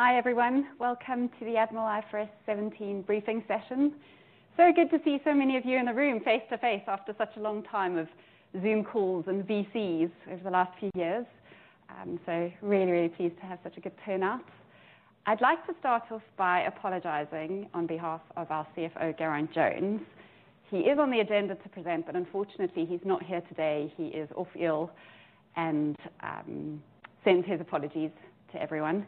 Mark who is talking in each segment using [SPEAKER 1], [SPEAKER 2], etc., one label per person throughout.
[SPEAKER 1] Hi, everyone. Welcome to the Admiral IFRS 17 briefing session. Good to see so many of you in the room face-to-face after such a long time of Zoom calls and VCs over the last few years. Really pleased to have such a good turnout. I'd like to start off by apologizing on behalf of our CFO, Geraint Jones. He is on the agenda to present, but unfortunately, he's not here today. He is off ill and sends his apologies to everyone.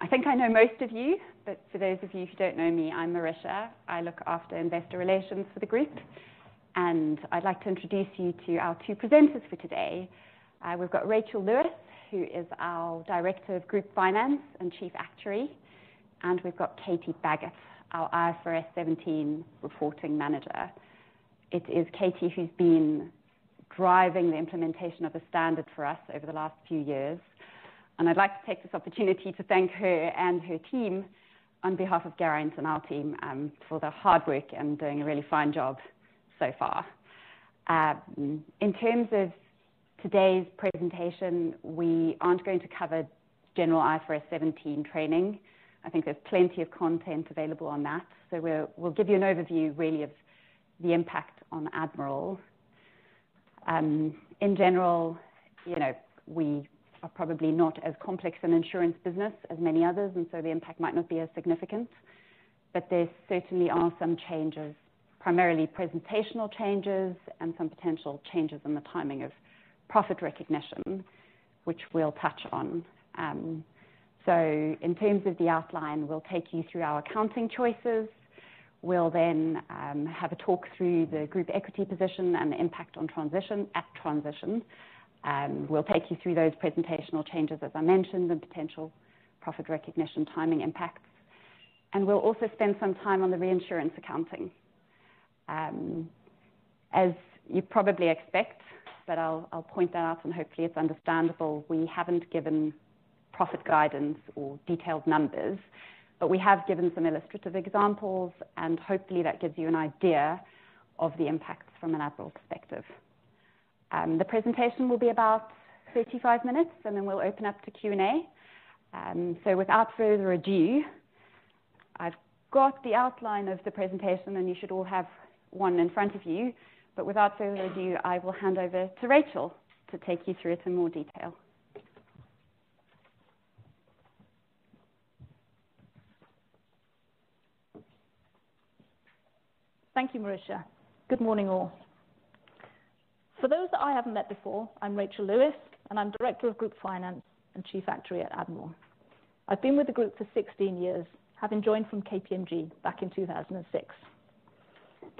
[SPEAKER 1] I think I know most of you, but for those of you who don't know me, I'm Marisja Kocznur. I look after investor relations for the group, and I'd like to introduce you to our two presenters for today. We've got Rachel Lewis, who is our Director of Group Finance and Chief Actuary, and we've got Katie Baggott, our IFRS 17 Reporting Manager. It is Katie who's been driving the implementation of the standard for us over the last few years. I'd like to take this opportunity to thank her and her team on behalf of Geraint and our team for their hard work and doing a really fine job so far. In terms of today's presentation, we aren't going to cover general IFRS 17 training. I think there's plenty of content available on that, we'll give you an overview really of the impact on Admiral. In general, you know, we are probably not as complex an insurance business as many others, the impact might not be as significant. There certainly are some changes, primarily presentational changes and some potential changes in the timing of profit recognition, which we'll touch on. In terms of the outline, we'll take you through our accounting choices. We'll have a talk through the group equity position and the impact on transition at transition. We'll take you through those presentational changes, as I mentioned, the potential profit recognition timing impacts, and we'll also spend some time on the reinsurance accounting. As you probably expect, but I'll point that out, and hopefully it's understandable, we haven't given profit guidance or detailed numbers, but we have given some illustrative examples, and hopefully that gives you an idea of the impacts from an Admiral perspective. The presentation will be about 35 minutes, and then we'll open up to Q&A. Without further ado, I've got the outline of the presentation, and you should all have one in front of you. Without further ado, I will hand over to Rachel to take you through it in more detail.
[SPEAKER 2] Thank you, Marisja. Good morning, all. For those that I haven't met before, I'm Rachel Lewis, and I'm Director of Group Finance and Chief Actuary at Admiral. I've been with the group for 16 years, having joined from KPMG back in 2006.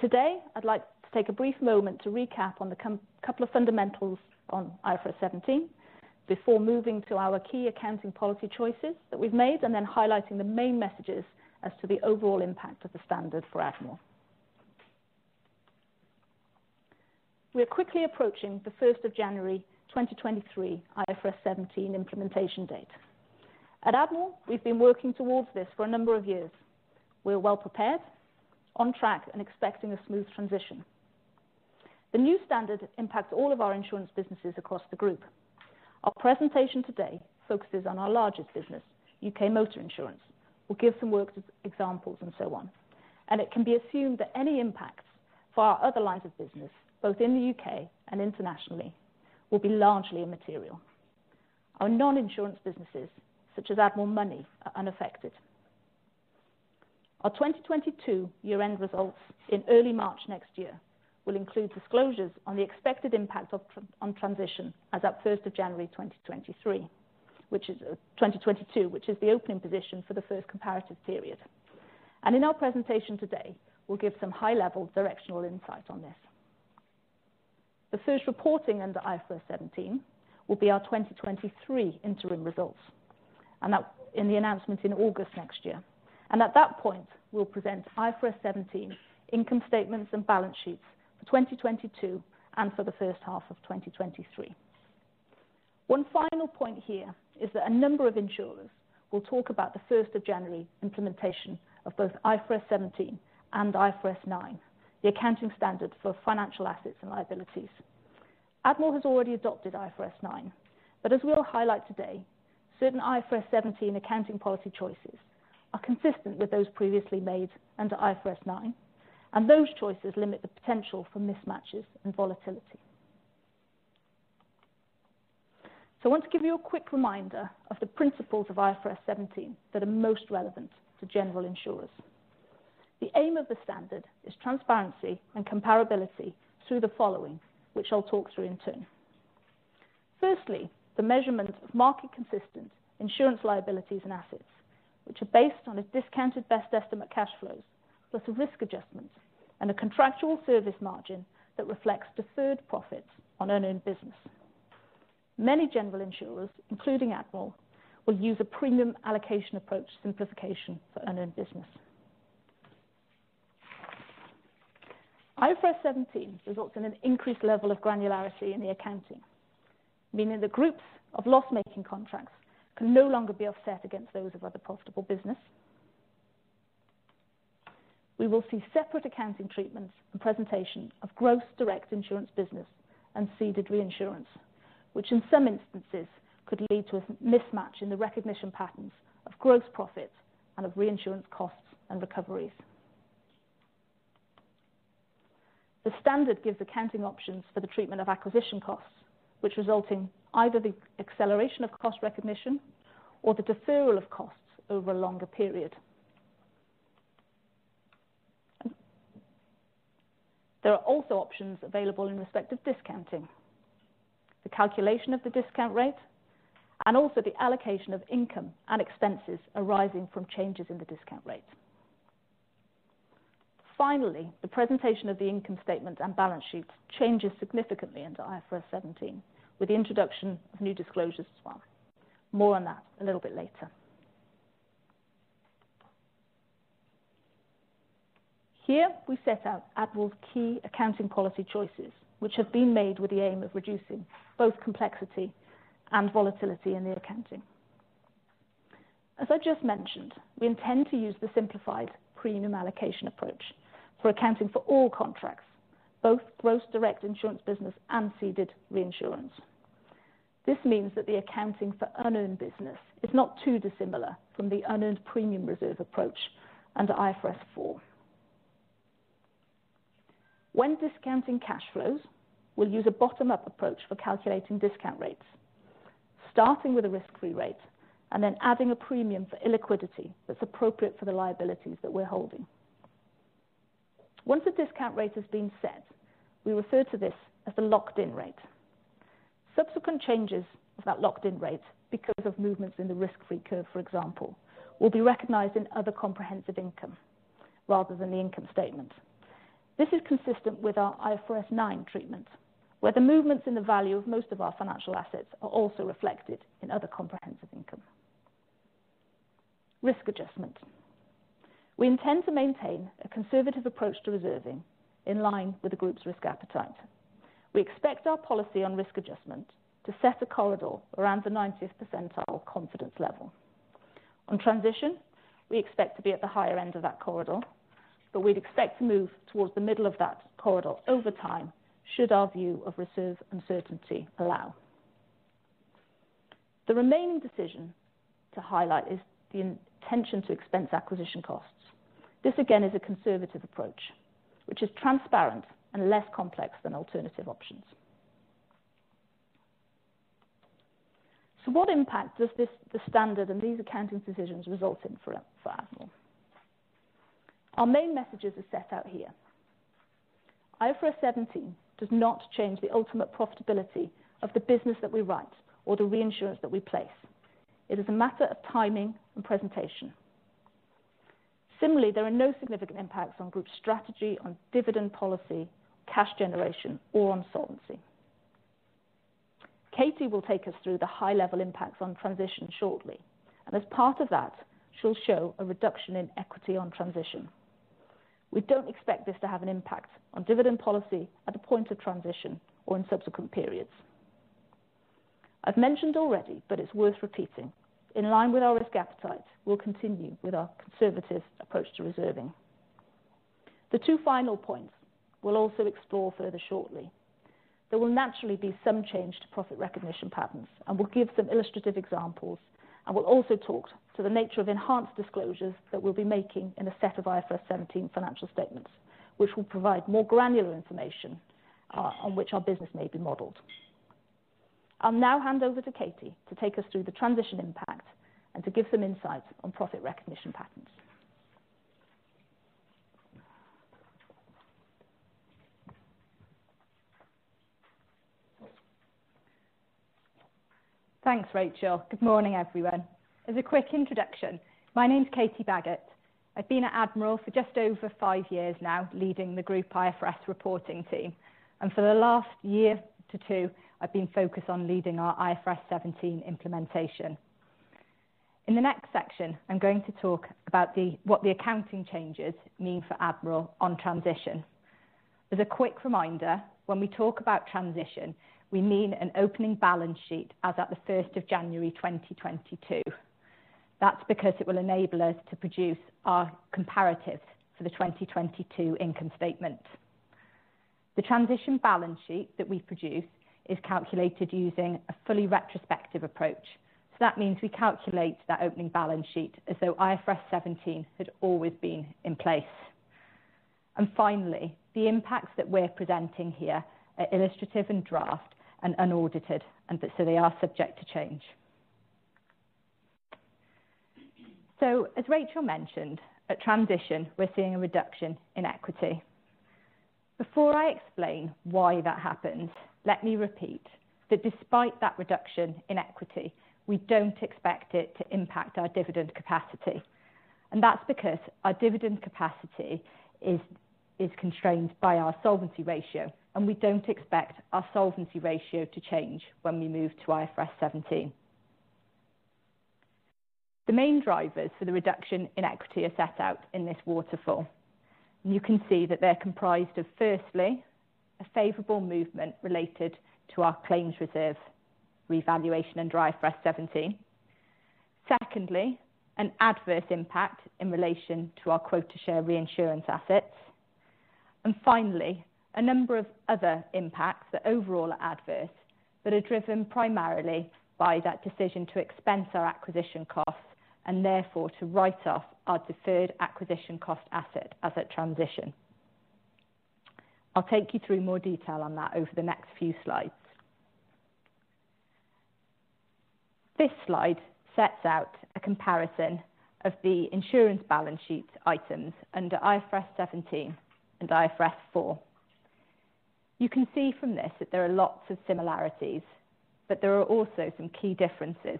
[SPEAKER 2] Today, I'd like to take a brief moment to recap on the couple of fundamentals on IFRS 17 before moving to our key accounting policy choices that we've made and then highlighting the main messages as to the overall impact of the standard for Admiral. We are quickly approaching the January 1st, 2023 IFRS 17 implementation date. At Admiral, we've been working towards this for a number of years. We are well prepared, on track, and expecting a smooth transition. The new standard impacts all of our insurance businesses across the group. Our presentation today focuses on our largest business, U.K. Motor insurance. We'll give some work examples and so on. It can be assumed that any impacts for our other lines of business, both in the U.K. and internationally, will be largely immaterial. Our non-insurance businesses, such as Admiral Money, are unaffected. Our 2022 year-end results in early March next year will include disclosures on the expected impact on transition as at January 1st, 2022, which is the opening position for the first comparative period. In our presentation today, we'll give some high-level directional insight on this. The first reporting under IFRS 17 will be our 2023 interim results, and that in the announcement in August next year. At that point, we'll present IFRS 17 income statements and balance sheets for 2022 and for the first half of 2023. One final point here is that a number of insurers will talk about the January 1st, implementation of both IFRS 17 and IFRS 9, the accounting standard for financial assets and liabilities. Admiral has already adopted IFRS 9, but as we'll highlight today, certain IFRS 17 accounting policy choices are consistent with those previously made under IFRS 9, and those choices limit the potential for mismatches and volatility. I want to give you a quick reminder of the principles of IFRS 17 that are most relevant to general insurers. The aim of the standard is transparency and comparability through the following, which I'll talk through in turn. Firstly, the measurement of market consistent insurance liabilities and assets, which are based on a discounted best estimate cash flows plus a risk adjustment and a contractual service margin that reflects deferred profits on earned business. Many general insurers, including Admiral, will use a premium allocation approach simplification for earned business. IFRS 17 results in an increased level of granularity in the accounting, meaning the groups of loss-making contracts can no longer be offset against those of other profitable business. We will see separate accounting treatments and presentation of gross direct insurance business and ceded reinsurance, which in some instances could lead to a mismatch in the recognition patterns of gross profits and of reinsurance costs and recoveries. The standard gives accounting options for the treatment of acquisition costs, which result in either the acceleration of cost recognition or the deferral of costs over a longer period. There are also options available in respect of discounting. The calculation of the discount rate and also the allocation of income and expenses arising from changes in the discount rate. The presentation of the income statement and balance sheet changes significantly under IFRS 17, with the introduction of new disclosures as well. More on that a little bit later. Here we set out Admiral's key accounting policy choices, which have been made with the aim of reducing both complexity and volatility in the accounting. As I just mentioned, we intend to use the simplified premium allocation approach for accounting for all contracts, both gross direct insurance business and ceded reinsurance. This means that the accounting for unearned business is not too dissimilar from the unearned premium reserve approach under IFRS 4. When discounting cash flows, we'll use a bottom-up approach for calculating discount rates, starting with a risk-free rate and then adding a premium for illiquidity that's appropriate for the liabilities that we're holding. Once a discount rate has been set, we refer to this as the locked-in rate. Subsequent changes of that locked-in rate because of movements in the risk-free curve, for example, will be recognized in other comprehensive income rather than the income statement. This is consistent with our IFRS 9 treatment, where the movements in the value of most of our financial assets are also reflected in other comprehensive income. Risk adjustment. We intend to maintain a conservative approach to reserving in line with the group's risk appetite. We expect our policy on risk adjustment to set a corridor around the90th percentile confidence level. On transition, we expect to be at the higher end of that corridor, but we'd expect to move towards the middle of that corridor over time, should our view of reserve uncertainty allow. The remaining decision to highlight is the intention to expense acquisition costs. This, again, is a conservative approach which is transparent and less complex than alternative options. What impact does this, the standard and these accounting decisions result in for Admiral? Our main messages are set out here. IFRS 17 does not change the ultimate profitability of the business that we write or the reinsurance that we place. It is a matter of timing and presentation. Similarly, there are no significant impacts on group strategy, on dividend policy, cash generation or on solvency. Katie will take us through the high level impacts on transition shortly. As part of that, she'll show a reduction in equity on transition. We don't expect this to have an impact on dividend policy at a point of transition or in subsequent periods. I've mentioned already. It's worth repeating. In line with our risk appetite, we'll continue with our conservative approach to reserving. The two final points we'll also explore further shortly. There will naturally be some change to profit recognition patterns. We'll give some illustrative examples. We'll also talk to the nature of enhanced disclosures that we'll be making in a set of IFRS 17 financial statements, which will provide more granular information on which our business may be modeled. I'll now hand over to Katie to take us through the transition impact and to give some insights on profit recognition patterns.
[SPEAKER 3] Thanks, Rachel. Good morning, everyone. As a quick introduction, my name is Katie Baggott. I've been at Admiral for just over five years now, leading the group IFRS reporting team. For the last year to two, I've been focused on leading our IFRS 17 implementation. In the next section, I'm going to talk about what the accounting changes mean for Admiral on transition. As a quick reminder, when we talk about transition, we mean an opening balance sheet as at the first of January 2022. That's because it will enable us to produce our comparatives for the 2022 income statement. The transition balance sheet that we produce is calculated using a fully retrospective approach. That means we calculate that opening balance sheet as though IFRS 17 had always been in place. Finally, the impacts that we're presenting here are illustrative, in draft and unaudited, they are subject to change. As Rachel mentioned, at transition, we're seeing a reduction in equity. Before I explain why that happens, let me repeat that despite that reduction in equity, we don't expect it to impact our dividend capacity. That's because our dividend capacity is constrained by our solvency ratio, and we don't expect our solvency ratio to change when we move to IFRS 17. The main drivers for the reduction in equity are set out in this waterfall. You can see that they're comprised of, firstly, a favorable movement related to our claims reserve revaluation under IFRS 17. Secondly, an adverse impact in relation to our quota share reinsurance assets. Finally, a number of other impacts that overall are adverse, but are driven primarily by that decision to expense our acquisition costs and therefore to write off our deferred acquisition cost asset as a transition. I'll take you through more detail on that over the next few slides. This slide sets out a comparison of the insurance balance sheet items under IFRS 17 and IFRS 4. You can see from this that there are lots of similarities, but there are also some key differences.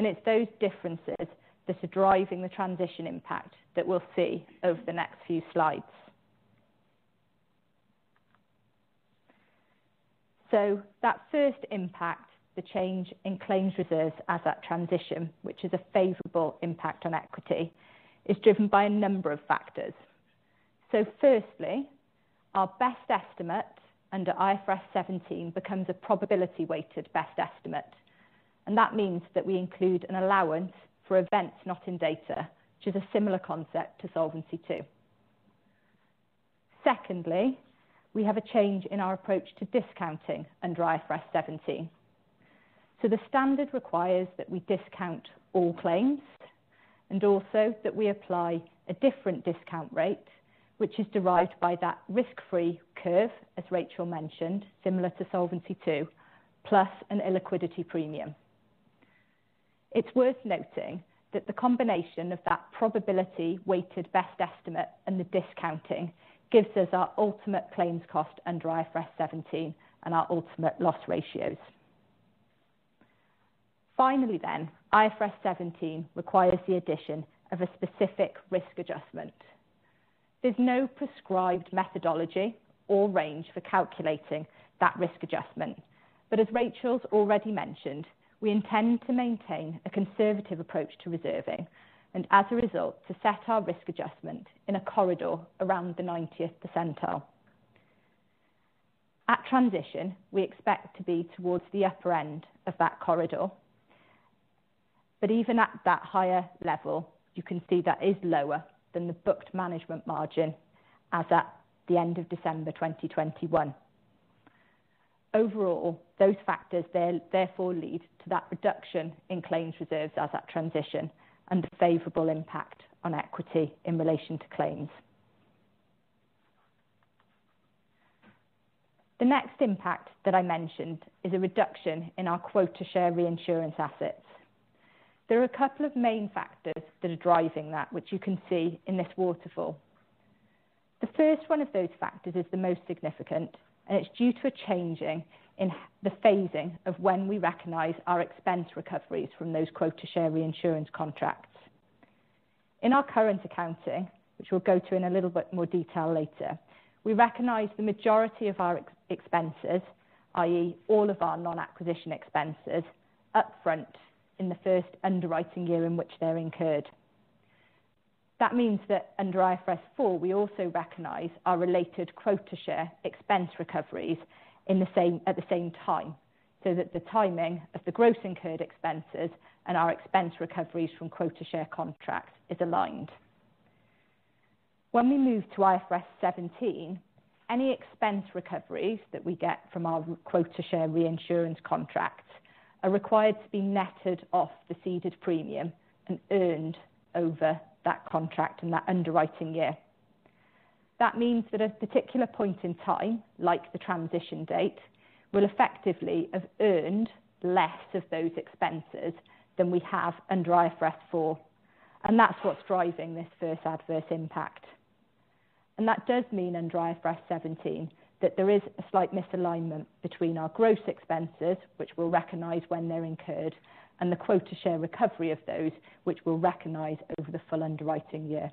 [SPEAKER 3] It's those differences that are driving the transition impact that we'll see over the next few slides. That first impact, the change in claims reserves as that transition, which is a favorable impact on equity, is driven by a number of factors. Firstly, our best estimate under IFRS 17 becomes a probability-weighted best estimate. That means that we include an allowance for Events Not In Data, which is a similar concept to Solvency II. Secondly, we have a change in our approach to discounting under IFRS 17. The standard requires that we discount all claims, and also that we apply a different discount rate, which is derived by that risk-free curve, as Rachel mentioned, similar to Solvency II, plus an illiquidity premium. It's worth noting that the combination of that probability-weighted best estimate and the discounting gives us our ultimate claims cost under IFRS 17 and our ultimate loss ratios. Finally, IFRS 17 requires the addition of a specific risk adjustment. There's no prescribed methodology or range for calculating that risk adjustment. As Rachel's already mentioned, we intend to maintain a conservative approach to reserving, and as a result, to set our risk adjustment in a corridor around the 90th percentile. At transition, we expect to be towards the upper end of that corridor. Even at that higher level, you can see that is lower than the booked management margin as at the end of December 2021. Overall, those factors therefore lead to that reduction in claims reserves as at transition and the favorable impact on equity in relation to claims. The next impact that I mentioned is a reduction in our quota share reinsurance assets. There are a couple of main factors that are driving that, which you can see in this waterfall. The first one of those factors is the most significant, it's due to a changing in the phasing of when we recognize our expense recoveries from those quota share reinsurance contracts. In our current accounting, which we'll go to in a little bit more detail later, we recognize the majority of our ex-expenses, i.e. all of our non-acquisition expenses, up front in the first underwriting year in which they're incurred. That means that under IFRS 4, we also recognize our related quota share expense recoveries at the same time, so that the timing of the gross incurred expenses and our expense recoveries from quota share contracts is aligned. When we move to IFRS 17, any expense recoveries that we get from our quota share reinsurance contracts are required to be netted off the ceded premium and earned over that contract in that underwriting year. That means that a particular point in time, like the transition date, will effectively have earned less of those expenses than we have under IFRS 4, and that's what's driving this first adverse impact. That does mean under IFRS 17, that there is a slight misalignment between our gross expenses, which we'll recognize when they're incurred, and the quota share recovery of those which we'll recognize over the full underwriting year.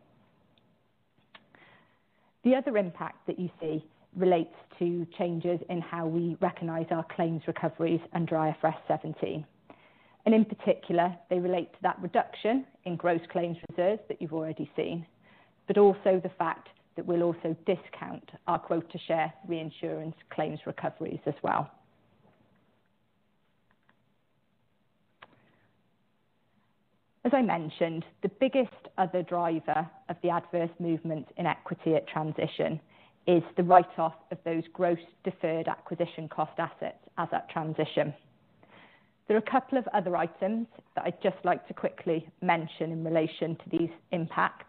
[SPEAKER 3] The other impact that you see relates to changes in how we recognize our claims recoveries under IFRS 17, and in particular, they relate to that reduction in gross claims reserves that you've already seen, but also the fact that we'll also discount our quota share reinsurance claims recoveries as well. As I mentioned, the biggest other driver of the adverse movement in equity at transition is the write-off of those gross deferred acquisition cost assets as at transition. There are a couple of other items that I'd just like to quickly mention in relation to these impacts.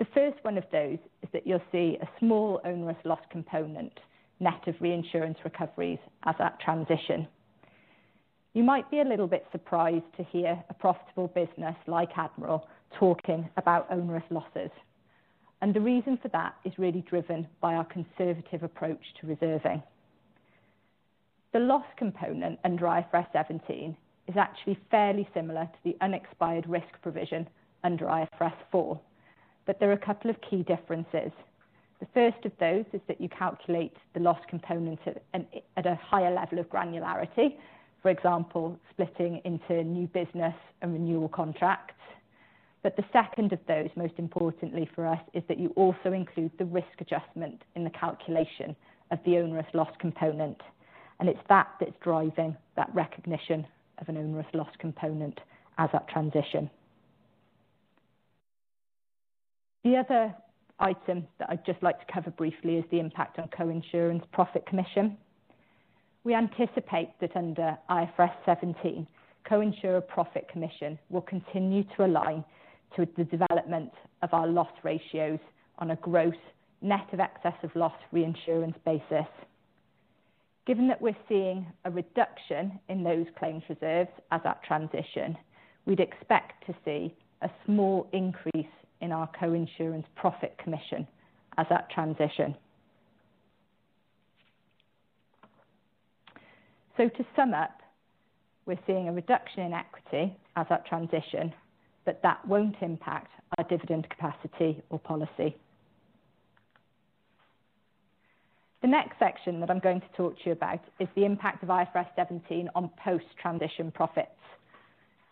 [SPEAKER 3] The first one of those is that you'll see a small onerous loss component net of reinsurance recoveries as at transition. You might be a little bit surprised to hear a profitable business like Admiral talking about onerous losses. The reason for that is really driven by our conservative approach to reserving. The loss component under IFRS 17 is actually fairly similar to the unexpired risk provision under IFRS 4. There are a couple of key differences. The first of those is that you calculate the loss component at a higher level of granularity. For example, splitting into new business and renewal contracts. The second of those, most importantly for us, is that you also include the risk adjustment in the calculation of the onerous loss component, and it's that that's driving that recognition of an onerous loss component as that transition. The other item that I'd just like to cover briefly is the impact on coinsurance profit commission. We anticipate that under IFRS 17, coinsurer profit commission will continue to align to the development of our loss ratios on a gross net of excess of loss reinsurance basis. Given that we're seeing a reduction in those claims reserves as that transition, we'd expect to see a small increase in our coinsurance profit commission as that transition. To sum up, we're seeing a reduction in equity as that transition, but that won't impact our dividend capacity or policy. The next section that I'm going to talk to you about is the impact of IFRS 17 on post-transition profits.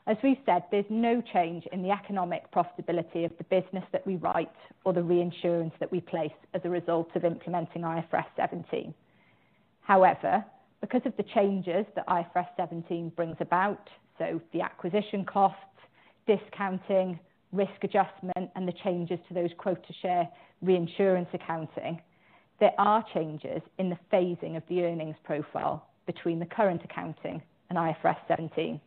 [SPEAKER 3] As we said, there's no change in the economic profitability of the business that we write or the reinsurance that we place as a result of implementing IFRS 17. However, because of the changes that IFRS 17 brings about, so the acquisition costs, discounting, risk adjustment, and the changes to those quota share reinsurance accounting, there are changes in the phasing of the earnings profile between the current accounting and IFRS 17.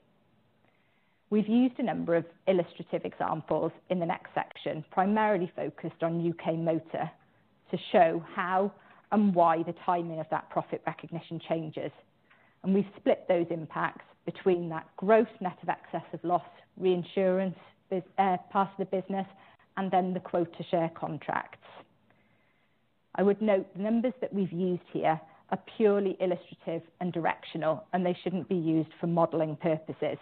[SPEAKER 3] We've used a number of illustrative examples in the next section, primarily focused on U.K. Motor, to show how and why the timing of that profit recognition changes. We've split those impacts between that gross net of excess of loss reinsurance part of the business and then the quota share contracts. I would note the numbers that we've used here are purely illustrative and directional, and they shouldn't be used for modeling purposes.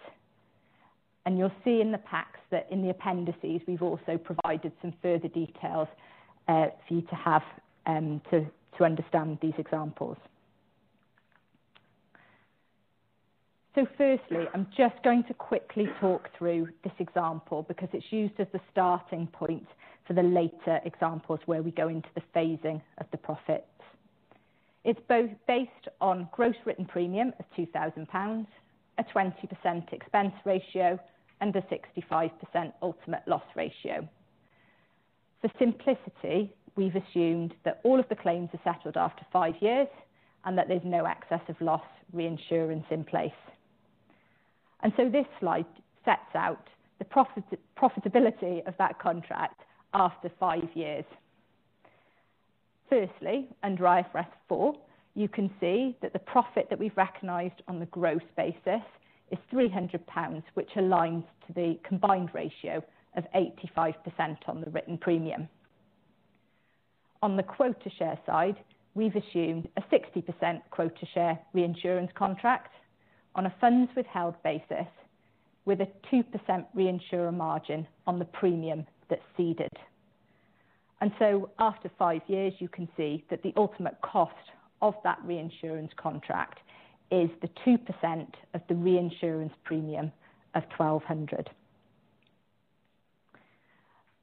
[SPEAKER 3] You'll see in the packs that in the appendices, we've also provided some further details for you to have to understand these examples. Firstly, I'm just going to quickly talk through this example because it's used as the starting point for the later examples where we go into the phasing of the profits. It's based on gross written premium of 2,000 pounds, a 20% expense ratio, and a 65% ultimate loss ratio. For simplicity, we've assumed that all of the claims are settled after five years and that there's no excess of loss reinsurance in place. This slide sets out the profitability of that contract after five years. Firstly, under IFRS 4, you can see that the profit that we've recognized on the gross basis is 300 pounds, which aligns to the combined ratio of 85% on the written premium. On the quota share side, we've assumed a 60% quota share reinsurance contract on a funds withheld basis with a 2% reinsurer margin on the premium that's ceded. After five years, you can see that the ultimate cost of that reinsurance contract is the 2% of the reinsurance premium of 1,200.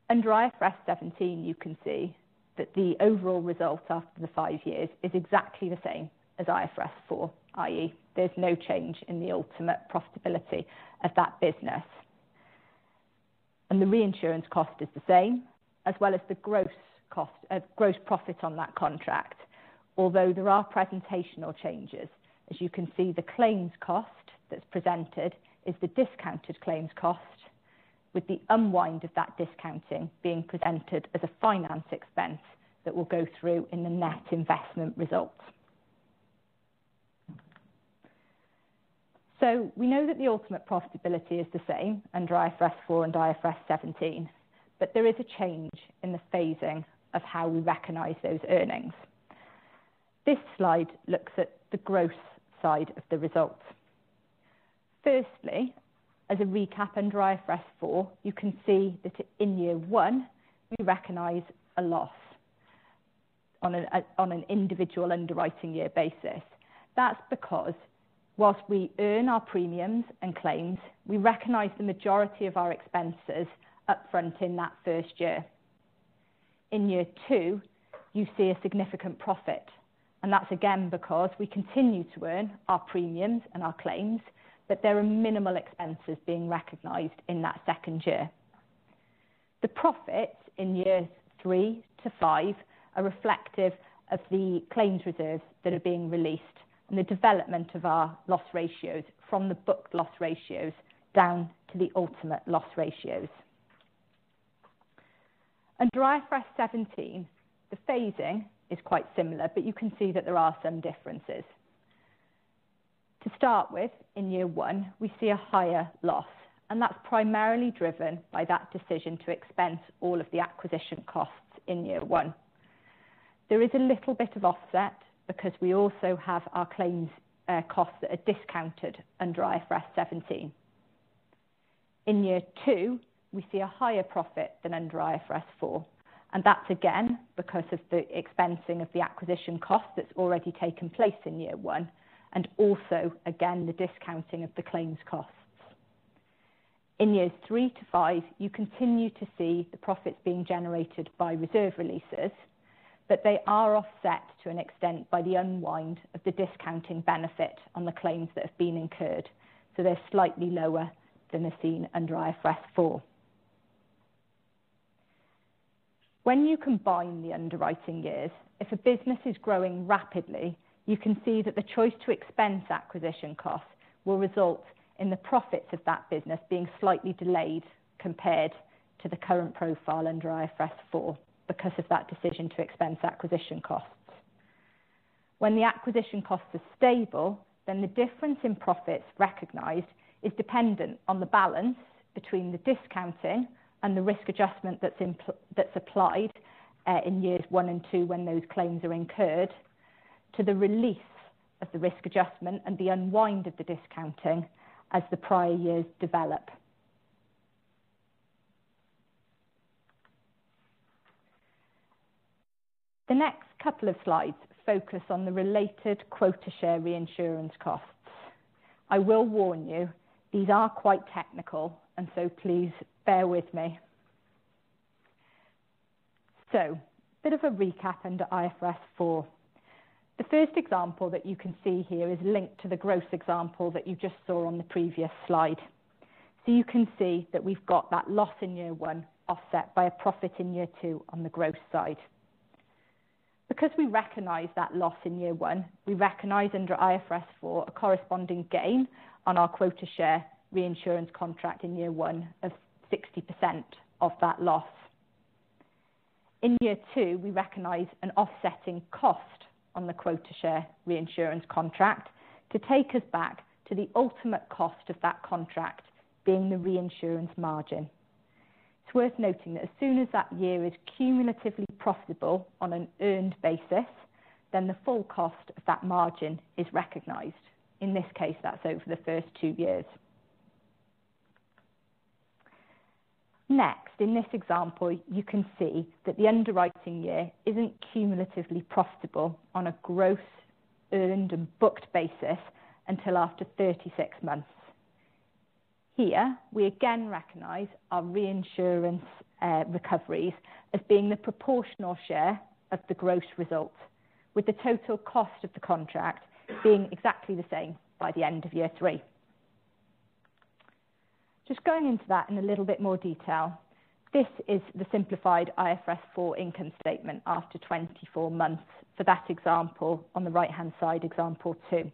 [SPEAKER 3] Under IFRS 17, you can see that the overall result after the five years is exactly the same as IFRS 4, i.e., there's no change in the ultimate profitability of that business. The reinsurance cost is the same, as well as the gross cost, gross profit on that contract. There are presentational changes. As you can see, the claims cost that's presented is the discounted claims cost, with the unwind of that discounting being presented as a finance expense that will go through in the net investment results. We know that the ultimate profitability is the same under IFRS 4 and IFRS 17, but there is a change in the phasing of how we recognize those earnings. This slide looks at the gross side of the results. Firstly, as a recap under IFRS 4, you can see that in year one, we recognize a loss on an individual underwriting year basis. That's because whilst we earn our premiums and claims, we recognize the majority of our expenses up front in that first year. In year two, you see a significant profit. That's again because we continue to earn our premiums and our claims. There are minimal expenses being recognized in that second year. The profits in years three to five, are reflective of the claims reserves that are being released and the development of our loss ratios from the booked loss ratios down to the ultimate loss ratios. Under IFRS 17, the phasing is quite similar. You can see that there are some differences. To start with, in year one, we see a higher loss. That's primarily driven by that decision to expense all of the acquisition costs in year one. There is a little bit of offset because we also have our claims costs that are discounted under IFRS 17. In year two, we see a higher profit than under IFRS 4, and that's again because of the expensing of the acquisition cost that's already taken place in year one and also again the discounting of the claims cost. In years three to five, you continue to see the profits being generated by reserve releases, but they are offset to an extent by the unwind of the discounting benefit on the claims that have been incurred, so they're slightly lower than are seen under IFRS 4. When you combine the underwriting years, if a business is growing rapidly, you can see that the choice to expense acquisition costs will result in the profits of that business being slightly delayed compared to the current profile under IFRS 4 because of that decision to expense acquisition costs. When the acquisition costs are stable, the difference in profits recognized is dependent on the balance between the discounting and the risk adjustment that's applied in years one and two when those claims are incurred to the release of the risk adjustment and the unwind of the discounting as the prior years develop. The next couple of slides focus on the related quota share reinsurance costs. I will warn you, these are quite technical, please bear with me. Bit of a recap under IFRS 4. The first example that you can see here is linked to the gross example that you just saw on the previous slide. You can see that we've got that loss in year one offset by a profit in year two on the gross side. We recognize that loss in year one, we recognize under IFRS 4 a corresponding gain on our quota share reinsurance contract in year one of 60% of that loss. In year two, we recognize an offsetting cost on the quota share reinsurance contract to take us back to the ultimate cost of that contract being the reinsurance margin. It's worth noting that as soon as that year is cumulatively profitable on an earned basis, then the full cost of that margin is recognized. In this case, that's over the first two years. In this example, you can see that the underwriting year isn't cumulatively profitable on a gross earned and booked basis until after 36 months. Here, we again recognize our reinsurance recoveries as being the proportional share of the gross results, with the total cost of the contract being exactly the same by the end of year three. Just going into that in a little bit more detail, this is the simplified IFRS 4 income statement after 24 months for that example on the right-hand side, example two.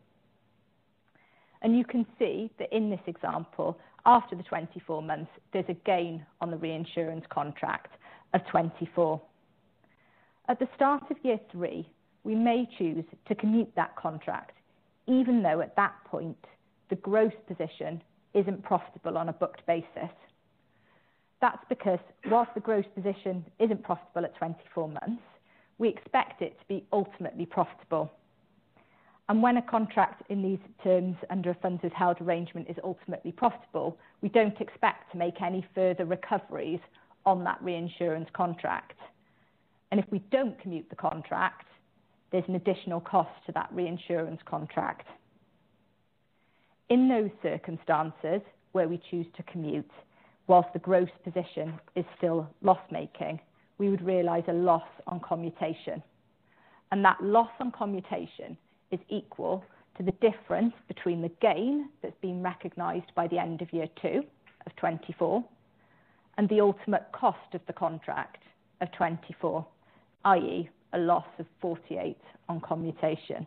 [SPEAKER 3] You can see that in this example, after the 24 months, there's a gain on the reinsurance contract of 24. At the start of year three, we may choose to commute that contract, even though at that point the gross position isn't profitable on a booked basis. That's because whilst the gross position isn't profitable at 24 months, we expect it to be ultimately profitable. When a contract in these terms under a funds held arrangement is ultimately profitable, we don't expect to make any further recoveries on that reinsurance contract. If we don't commute the contract, there's an additional cost to that reinsurance contract. In those circumstances where we choose to commute whilst the gross position is still loss-making, we would realize a loss on commutation. That loss on commutation is equal to the difference between the gain that's been recognized by the end of year two of 24 and the ultimate cost of the contract of 24, i.e., a loss of 48 on commutation.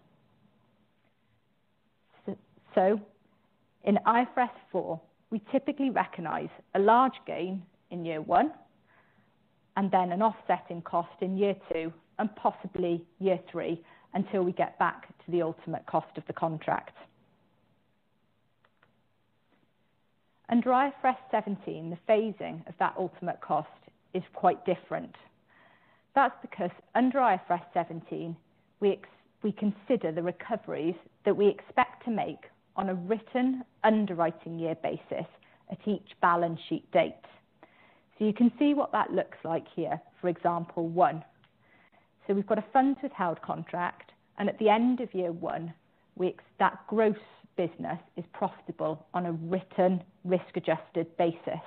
[SPEAKER 3] So in IFRS 4, we typically recognize a large gain in year one and then an offsetting cost in year two and possibly year three until we get back to the ultimate cost of the contract. Under IFRS 17, the phasing of that ultimate cost is quite different. That's because under IFRS 17, we consider the recoveries that we expect to make on a written underwriting year basis at each balance sheet date. You can see what that looks like here, for example one. We've got a funds withheld contract and at the end of year one, we expect gross business is profitable on a written risk-adjusted basis.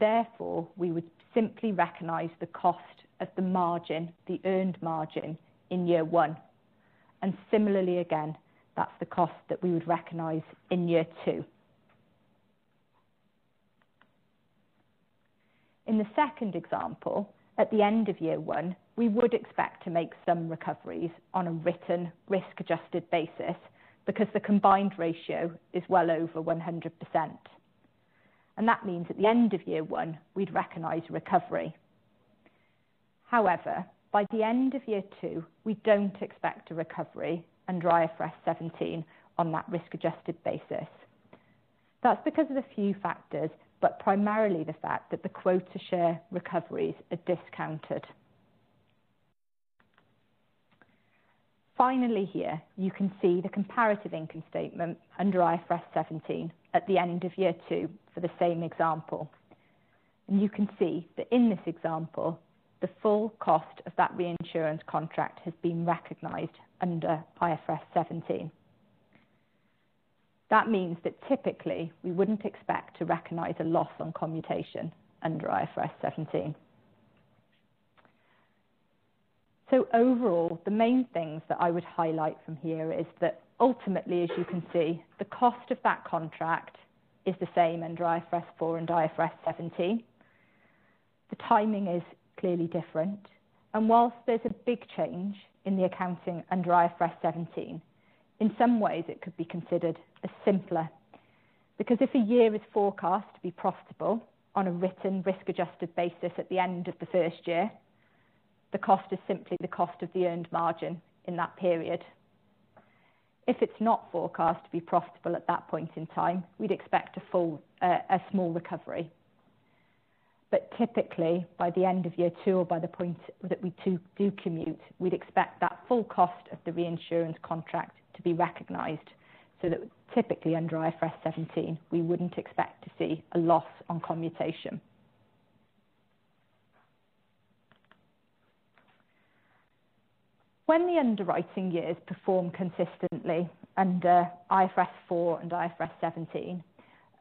[SPEAKER 3] Therefore, we would simply recognize the cost at the margin, the earned margin in year one. Similarly again, that's the cost that we would recognize in year two. In the second example, at the end of year one, we would expect to make some recoveries on a written risk-adjusted basis because the combined ratio is well over 100%. That means at the end of year one, we'd recognize recovery. By the end of year two, we don't expect a recovery under IFRS 17 on that risk-adjusted basis. That's because of a few factors, but primarily the fact that the quota share recoveries are discounted. You can see the comparative income statement under IFRS 17 at the end of year two for the same example. You can see that in this example, the full cost of that reinsurance contract has been recognized under IFRS 17. That means that typically we wouldn't expect to recognize a loss on commutation under IFRS 17. Overall, the main things that I would highlight from here is that ultimately, as you can see, the cost of that contract is the same under IFRS 4 and IFRS 17. The timing is clearly different, whilst there's a big change in the accounting under IFRS 17, in some ways it could be considered as simpler. If a year is forecast to be profitable on a written risk-adjusted basis at the end of the first year, the cost is simply the cost of the earned margin in that period. If it's not forecast to be profitable at that point in time, we'd expect a small recovery. Typically, by the end of year two or by the point that we do commute, we'd expect that full cost of the reinsurance contract to be recognized so that typically under IFRS 17, we wouldn't expect to see a loss on commutation. When the underwriting years perform consistently under IFRS 4 and IFRS 17,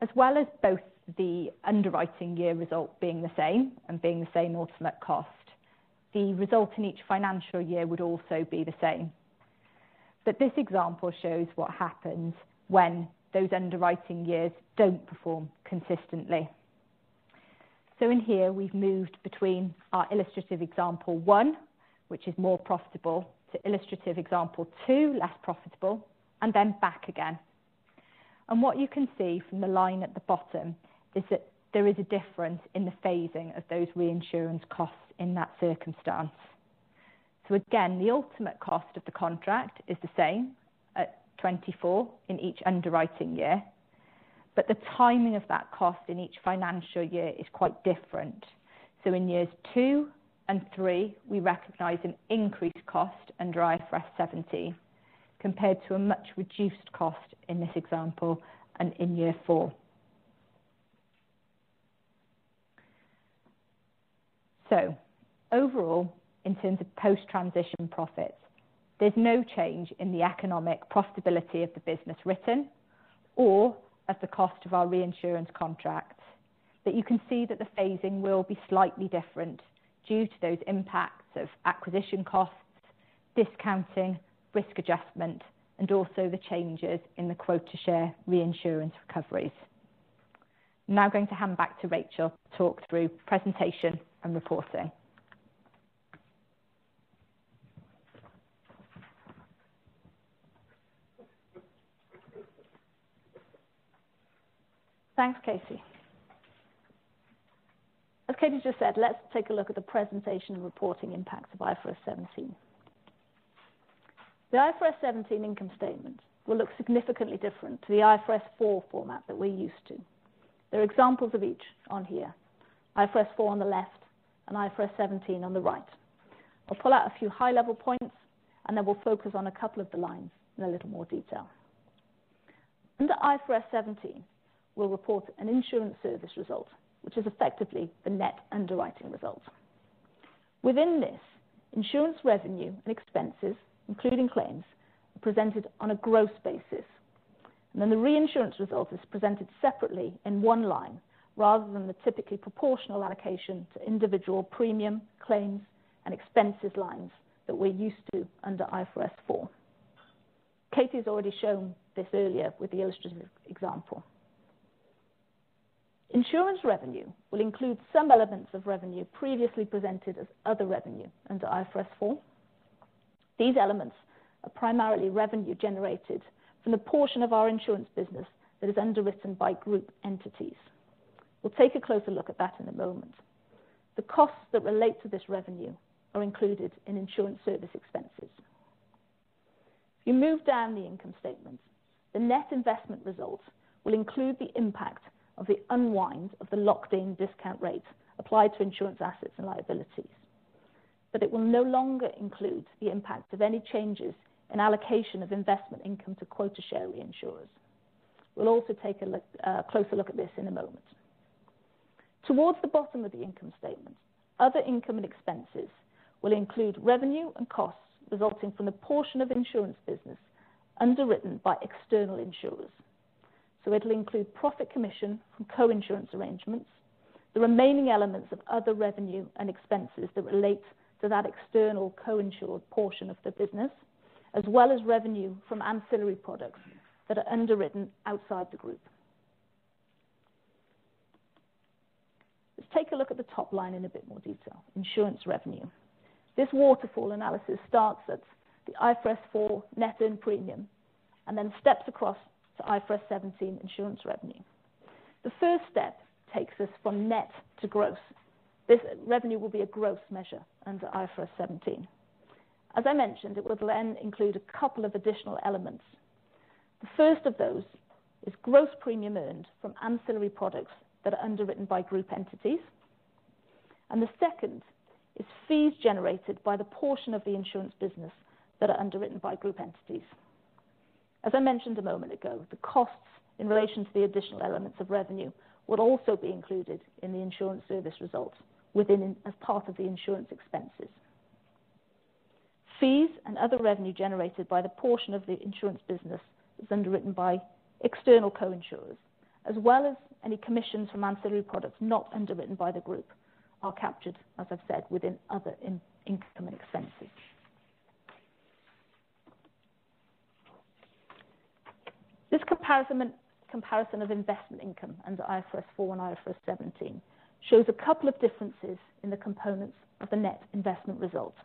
[SPEAKER 3] as well as both the underwriting year result being the same and being the same ultimate cost, the result in each financial year would also be the same. This example shows what happens when those underwriting years don't perform consistently. In here, we've moved between our illustrative example one, which is more profitable, to illustrative example two, less profitable, and then back again. What you can see from the line at the bottom is that there is a difference in the phasing of those reinsurance costs in that circumstance. Again, the ultimate cost of the contract is the same at 24 in each underwriting year, but the timing of that cost in each financial year is quite different. In years two and three, we recognize an increased cost under IFRS 17 compared to a much reduced cost in this example and in year four. Overall, in terms of post-transition profits, there's no change in the economic profitability of the business written or at the cost of our reinsurance contracts. You can see that the phasing will be slightly different due to those impacts of acquisition costs, discounting, risk adjustment, and also the changes in the quota share reinsurance recoveries. I'm now going to hand back to Rachel to talk through presentation and reporting.
[SPEAKER 2] Thanks, Katie. As Katie just said, let's take a look at the presentation and reporting impacts of IFRS 17. The IFRS 17 income statement will look significantly different to the IFRS 4 format that we're used to. There are examples of each on here, IFRS 4 on the left and IFRS 17 on the right. I'll pull out a few high-level points. We'll focus on a couple of the lines in a little more detail. Under IFRS 17, we'll report an insurance service result, which is effectively the net underwriting result. Within this, insurance revenue and expenses, including claims, are presented on a gross basis. The reinsurance result is presented separately in one line rather than the typically proportional allocation to individual premium claims and expenses lines that we're used to under IFRS 4. Katie has already shown this earlier with the illustrative example. Insurance revenue will include some elements of revenue previously presented as other revenue under IFRS 4. These elements are primarily revenue generated from the portion of our insurance business that is underwritten by group entities. We'll take a closer look at that in a moment. The costs that relate to this revenue are included in insurance service expenses. If you move down the income statement, the net investment results will include the impact of the unwind of the locked-in discount rates applied to insurance assets and liabilities. It will no longer include the impact of any changes in allocation of investment income to quota share reinsurers. We'll also take a closer look at this in a moment. Towards the bottom of the income statement, other income and expenses will include revenue and costs resulting from the portion of insurance business underwritten by external insurers. It'll include profit commission from coinsurance arrangements, the remaining elements of other revenue and expenses that relate to that external coinsured portion of the business, as well as revenue from ancillary products that are underwritten outside the group. Let's take a look at the top line in a bit more detail, insurance revenue. This waterfall analysis starts at the IFRS 4 net in premium and then steps across to IFRS 17 insurance revenue. The first step takes us from net to gross. This revenue will be a gross measure under IFRS 17. As I mentioned, it will then include a couple of additional elements. The first of those is gross premium earned from ancillary products that are underwritten by group entities. The second is fees generated by the portion of the insurance business that are underwritten by group entities. As I mentioned a moment ago, the costs in relation to the additional elements of revenue will also be included in the insurance service result as part of the insurance service expenses. Fees and other revenue generated by the portion of the insurance business is underwritten by external co-insurers, as well as any commissions from ancillary products not underwritten by the group are captured, as I've said, within other income and expenses. This comparison of investment income under IFRS 4 and IFRS 17 shows a couple of differences in the components of the net investment result.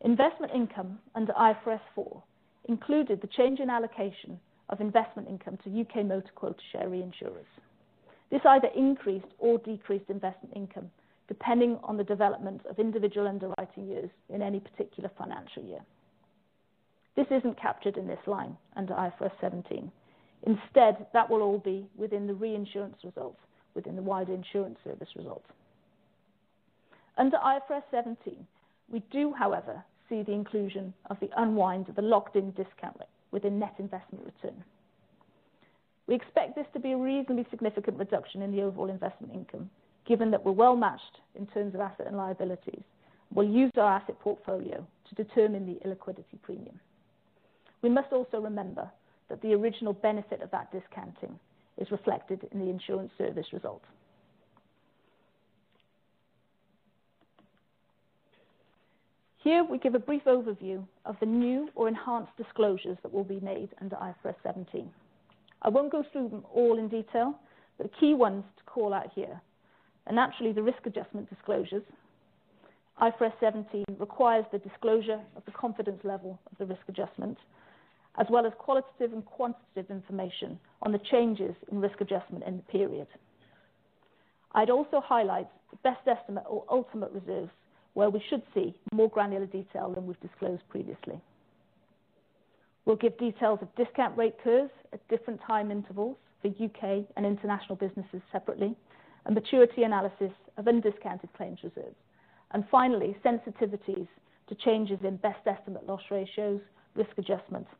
[SPEAKER 2] Investment income under IFRS 4 included the change in allocation of investment income to U.K. Motor quota share reinsurers. This either increased or decreased investment income depending on the development of individual underwriting years in any particular financial year. This isn't captured in this line under IFRS 17. That will all be within the reinsurance results within the wider insurance service results. Under IFRS 17, we do, however, see the inclusion of the unwind of the locked-in discount rate with a net investment return. We expect this to be a reasonably significant reduction in the overall investment income. Given that we're well-matched in terms of asset and liabilities, we'll use our asset portfolio to determine the illiquidity premium. We must also remember that the original benefit of that discounting is reflected in the insurance service result. Here we give a brief overview of the new or enhanced disclosures that will be made under IFRS 17. I won't go through them all in detail, but the key ones to call out here are naturally the risk adjustment disclosures. IFRS 17 requires the disclosure of the confidence level of the risk adjustment, as well as qualitative and quantitative information on the changes in risk adjustment in the period. I'd also highlight the best estimate or ultimate reserves where we should see more granular detail than we've disclosed previously. We'll give details of discount rate curves at different time intervals for U.K. and international businesses separately, and maturity analysis of undiscounted claims reserves, and finally, sensitivities to changes in best estimate loss ratios, risk adjustments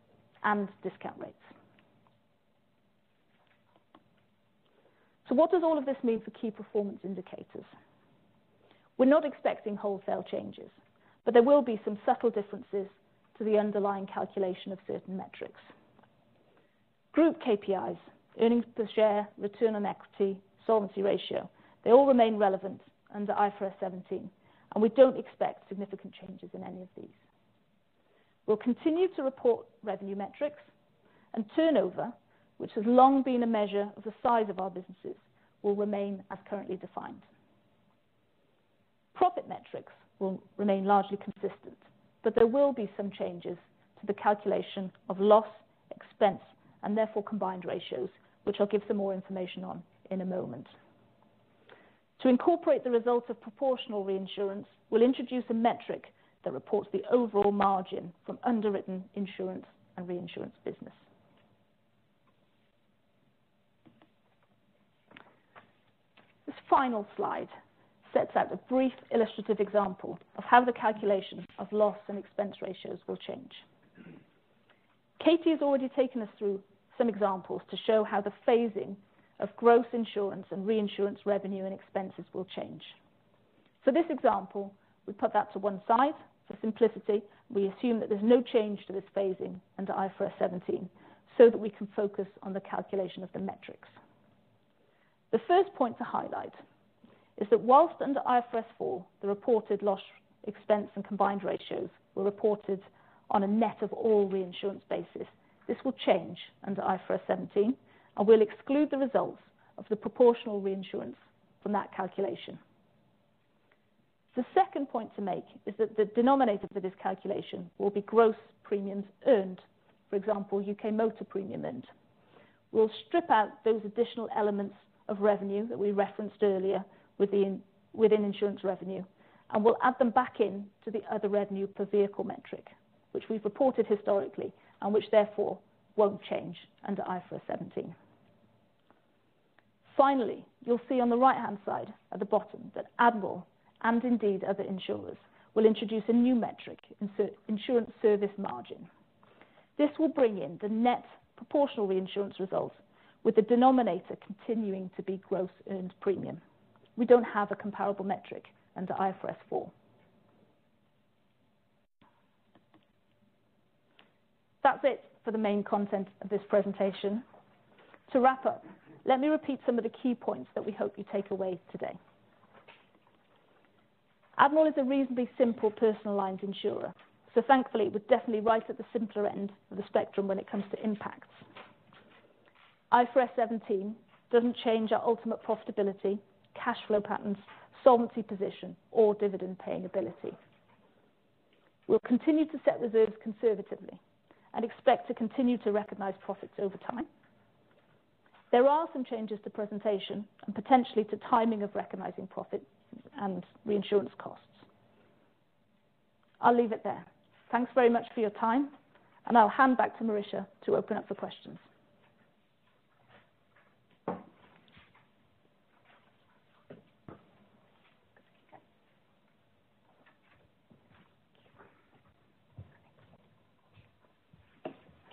[SPEAKER 2] and discount rates. What does all of this mean for key performance indicators? We're not expecting wholesale changes, there will be some subtle differences to the underlying calculation of certain metrics. Group KPIs, Earnings Per Share, Return on Equity, Solvency Ratio, they all remain relevant under IFRS 17, and we don't expect significant changes in any of these. We'll continue to report revenue metrics and Turnover, which has long been a measure of the size of our businesses will remain as currently defined. Profit metrics will remain largely consistent, but there will be some changes to the calculation of loss, expense and therefore combined ratios, which I'll give some more information on in a moment. To incorporate the results of proportional reinsurance, we'll introduce a metric that reports the overall margin from underwritten insurance and reinsurance business. This final slide sets out a brief illustrative example of how the calculation of loss and expense ratios will change. Katie has already taken us through some examples to show how the phasing of gross insurance and reinsurance revenue and expenses will change. For this example, we put that to one side. For simplicity, we assume that there's no change to this phasing under IFRS 17 so that we can focus on the calculation of the metrics. The first point to highlight is that whilst under IFRS 4, the reported loss expense and combined ratios were reported on a net of all reinsurance basis. This will change under IFRS 17, and we'll exclude the results of the proportional reinsurance from that calculation. The second point to make is that the denominator for this calculation will be gross premiums earned. For example, U.K. Motor premium earned. We'll strip out those additional elements of revenue that we referenced earlier within insurance revenue, and we'll add them back in to the other revenue per vehicle metric, which we've reported historically and which therefore won't change under IFRS 17. Finally, you'll see on the right-hand side at the bottom that Admiral and indeed other insurers will introduce a new metric, insurance service margin. This will bring in the net proportional reinsurance result, with the denominator continuing to be gross earned premium. We don't have a comparable metric under IFRS 4. That's it for the main content of this presentation. To wrap up, let me repeat some of the key points that we hope you take away today. Admiral is a reasonably simple personal lines insurer, so thankfully, it was definitely right at the simpler end of the spectrum when it comes to impacts. IFRS 17 doesn't change our ultimate profitability, cash flow patterns, solvency position or dividend paying ability. We'll continue to set reserves conservatively and expect to continue to recognize profits over time. There are some changes to presentation and potentially to timing of recognizing profits and reinsurance costs. I'll leave it there. Thanks very much for your time, and I'll hand back to Marisja to open up for questions.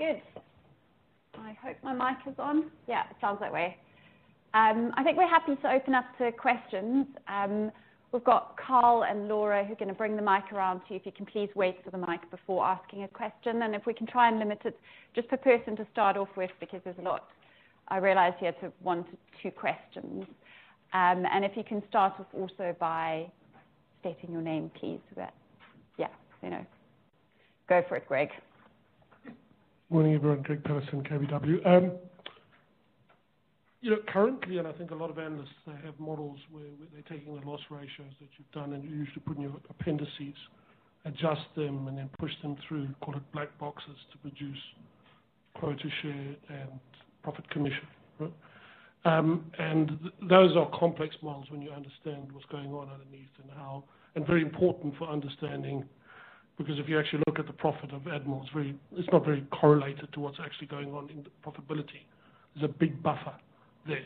[SPEAKER 1] Good. Yeah, it sounds that way. I think we're happy to open up to questions. We've got Carl and Laura who are going to bring the mic around to you. If you can please wait for the mic before asking a question. If we can try and limit it just per person to start off with because there's a lot. I realize you had sort of one to two questions. If you can start off also by stating your name, please, so that. Yeah, so you know. Go for it, Greg.
[SPEAKER 4] Morning, everyone. Greg Paterson, KBW. you know, currently, and I think a lot of analysts, they have models where they're taking the loss ratios that you've done, and you usually put in your appendices, adjust them, and then push them through, call it black boxes, to produce quota share and profit commission, right? Those are complex models when you understand what's going on underneath and how and very important for understanding because if you actually look at the profit of Admiral, it's not very correlated to what's actually going on in the profitability. There's a big buffer there.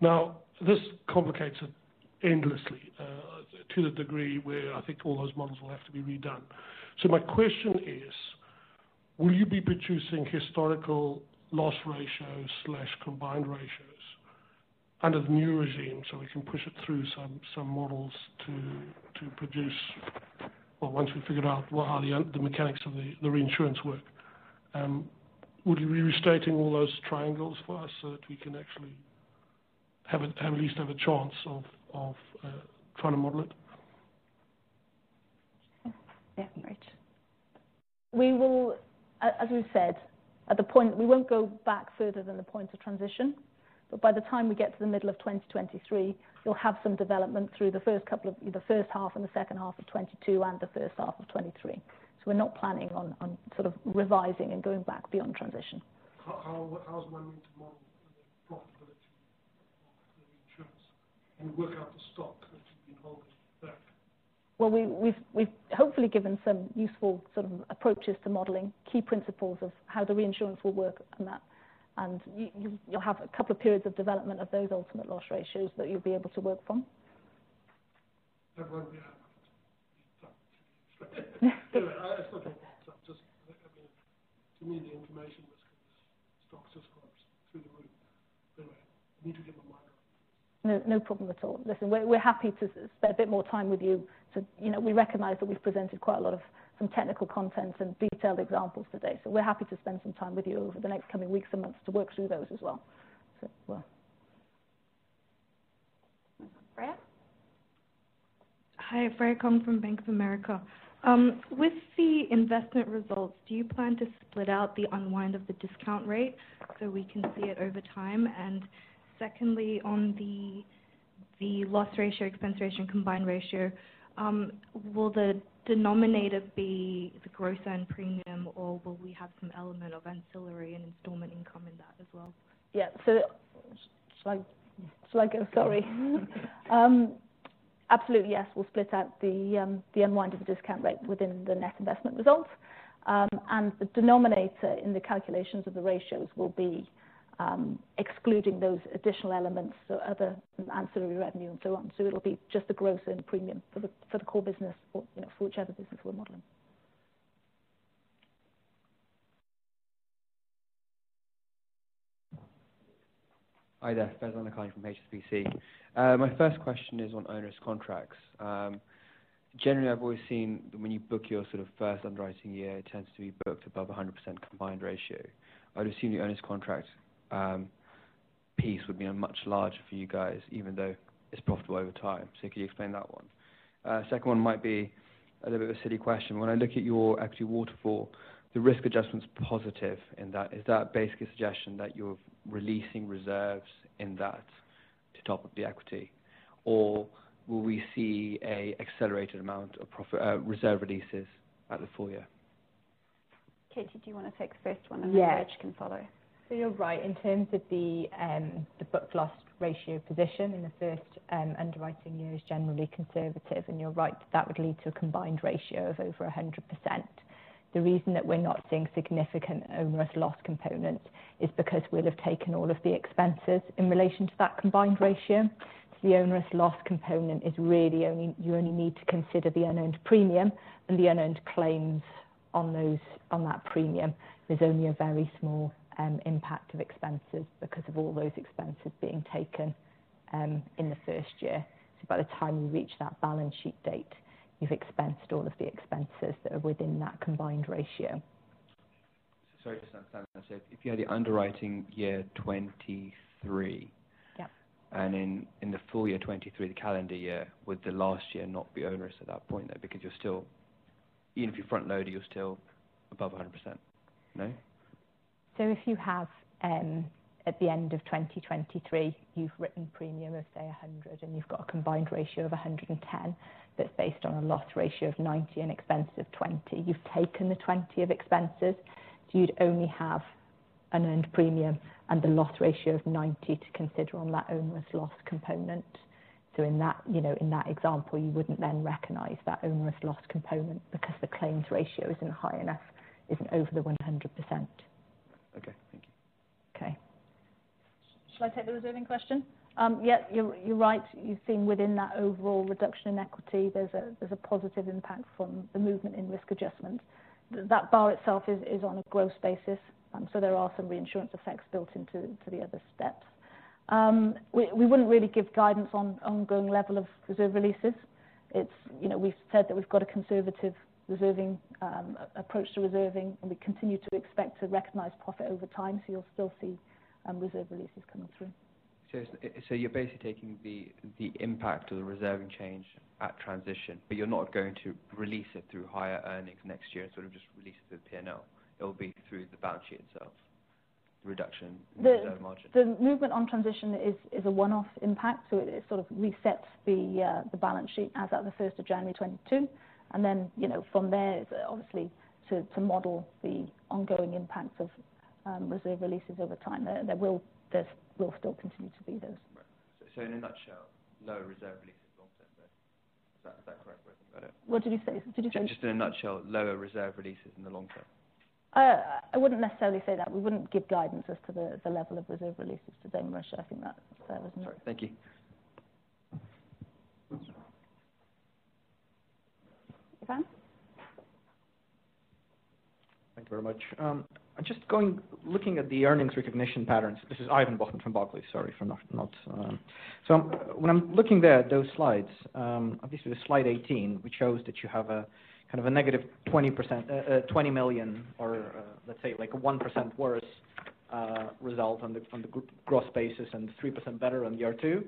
[SPEAKER 4] Now, this complicates it endlessly, to the degree where I think all those models will have to be redone. My question is, will you be producing historical loss ratios/combined ratios under the new regime so we can push it through some models to produce, once we've figured out what are the mechanics of the reinsurance work, would you be restating all those triangles for us so that we can actually have at least a chance of trying to model it?
[SPEAKER 1] Yeah, Katie.
[SPEAKER 3] As we said, we won't go back further than the point of transition. By the time we get to the middle of 2023, you'll have some development through the first half and the second half of 2022 and the first half of 2023. We're not planning on sort of revising and going back beyond transition.
[SPEAKER 4] How's one to model the profitability of the reinsurance and work out the stock that you've been holding back?
[SPEAKER 3] Well, we've hopefully given some useful sort of approaches to modeling key principles of how the reinsurance will work and that. You'll have a couple of periods of development of those ultimate loss ratios that you'll be able to work from.
[SPEAKER 4] That won't be happening. It's up to you. It's not that bad. I mean, to me, the information was kind of stock just drops through the roof. Need to give a mic.
[SPEAKER 3] No problem at all. Listen, we're happy to spend a bit more time with you. You know, we recognize that we've presented quite a lot of some technical content and detailed examples today, so we're happy to spend some time with you over the next coming weeks and months to work through those as well.
[SPEAKER 1] Freya.
[SPEAKER 5] Hi. Freya Kong from Bank of America. With the investment results, do you plan to split out the unwind of the discount rate so we can see it over time? Secondly, on the loss ratio, expense ratio, combined ratio, will the denominator be the gross earn premium, or will we have some element of ancillary and installment income in that as well?
[SPEAKER 3] Should I go? Sorry. Absolutely, yes. We'll split out the unwind of the discount rate within the net investment results. The denominator in the calculations of the ratios will be excluding those additional elements, so other ancillary revenue and so on. It'll be just the gross earn premium for the core business or, you know, for whichever business we're modeling.
[SPEAKER 6] Hi there. Faizan Lakhani from HSBC. My first question is on onerous contracts. Generally, I've always seen that when you book your sort of first underwriting year, it tends to be booked above 100% combined ratio. I'd assume the onerous contract piece would be a much larger for you guys even though it's profitable over time, so can you explain that one? Second one might be a little bit of a silly question. When I look at your equity waterfall, the risk adjustment's positive in that. Is that basically a suggestion that you're releasing reserves in that to top up the equity? Will we see a accelerated amount of profit reserve releases at the full year?
[SPEAKER 1] Katie, do you want to take the first one then Rachel can follow.
[SPEAKER 3] You're right. In terms of the book loss ratio position in the first underwriting year is generally conservative. You're right, that would lead to a combined ratio of over 100%. The reason that we're not seeing significant onerous loss components is because we'll have taken all of the expenses in relation to that combined ratio. The onerous loss component is really only. You only need to consider the unearned premium and the unearned claims on those, on that premium. There's only a very small impact of expenses because of all those expenses being taken in the first year. By the time you reach that balance sheet date, you've expensed all of the expenses that are within that combined ratio.
[SPEAKER 6] Sorry, just to understand that. If you had the underwriting year 2023. In the full year 2023, the calendar year, would the last year not be onerous at that point though? Because you're still, even if you're front loading, you're still above 100%. No?
[SPEAKER 3] If you have, at the end of 2023, you've written premium of, say, 100, and you've got a combined ratio of 110% that's based on a loss ratio of 90% and expense of 20%. You've taken the 20% of expenses. You'd only have unearned premium and the loss ratio of 90% to consider on that onerous loss component. In that, you know, example, you wouldn't then recognize that onerous loss component because the claims ratio isn't high enough, isn't over the 100%.
[SPEAKER 6] Okay. Thank you.
[SPEAKER 3] Okay.
[SPEAKER 2] Should I take the reserving question? Yeah, you're right. You've seen within that overall reduction in equity, there's a positive impact from the movement in risk adjustment. That bar itself is on a gross basis. There are some reinsurance effects built into the other steps. We wouldn't really give guidance on ongoing level of reserve releases. You know, we've said that we've got a conservative reserving approach to reserving, we continue to expect to recognize profit over time, you'll still see reserve releases coming through.
[SPEAKER 6] You're basically taking the impact of the reserving change at transition, but you're not going to release it through higher earnings next year and sort of just release it through P&L. It will be through the balance sheet itself, the reduction in reserve margin.
[SPEAKER 2] The movement on transition is a one-off impact, so it sort of resets the balance sheet as at the January 1st, 2022. You know, from there, obviously to model the ongoing impacts of reserve releases over time, there will still continue to be those.
[SPEAKER 6] In a nutshell, lower reserve releases long-term though. Is that a correct way of thinking about it?
[SPEAKER 2] What did you say?
[SPEAKER 6] Just in a nutshell, lower reserve releases in the long-term.
[SPEAKER 2] I wouldn't necessarily say that. We wouldn't give guidance as to the level of reserve releases today, Mursh. I think that's fair to say.
[SPEAKER 6] Sorry. Thank you.
[SPEAKER 1] Ivan?
[SPEAKER 7] Thank you very much. Looking at the earnings recognition patterns, this is Ivan Bokhmat from Barclays. Sorry for not. When I'm looking there at those slides, obviously the slide 18, which shows that you have a kind of a negative 20 million or, let's say like a 1% worse result on the group gross basis and 3% better on year two.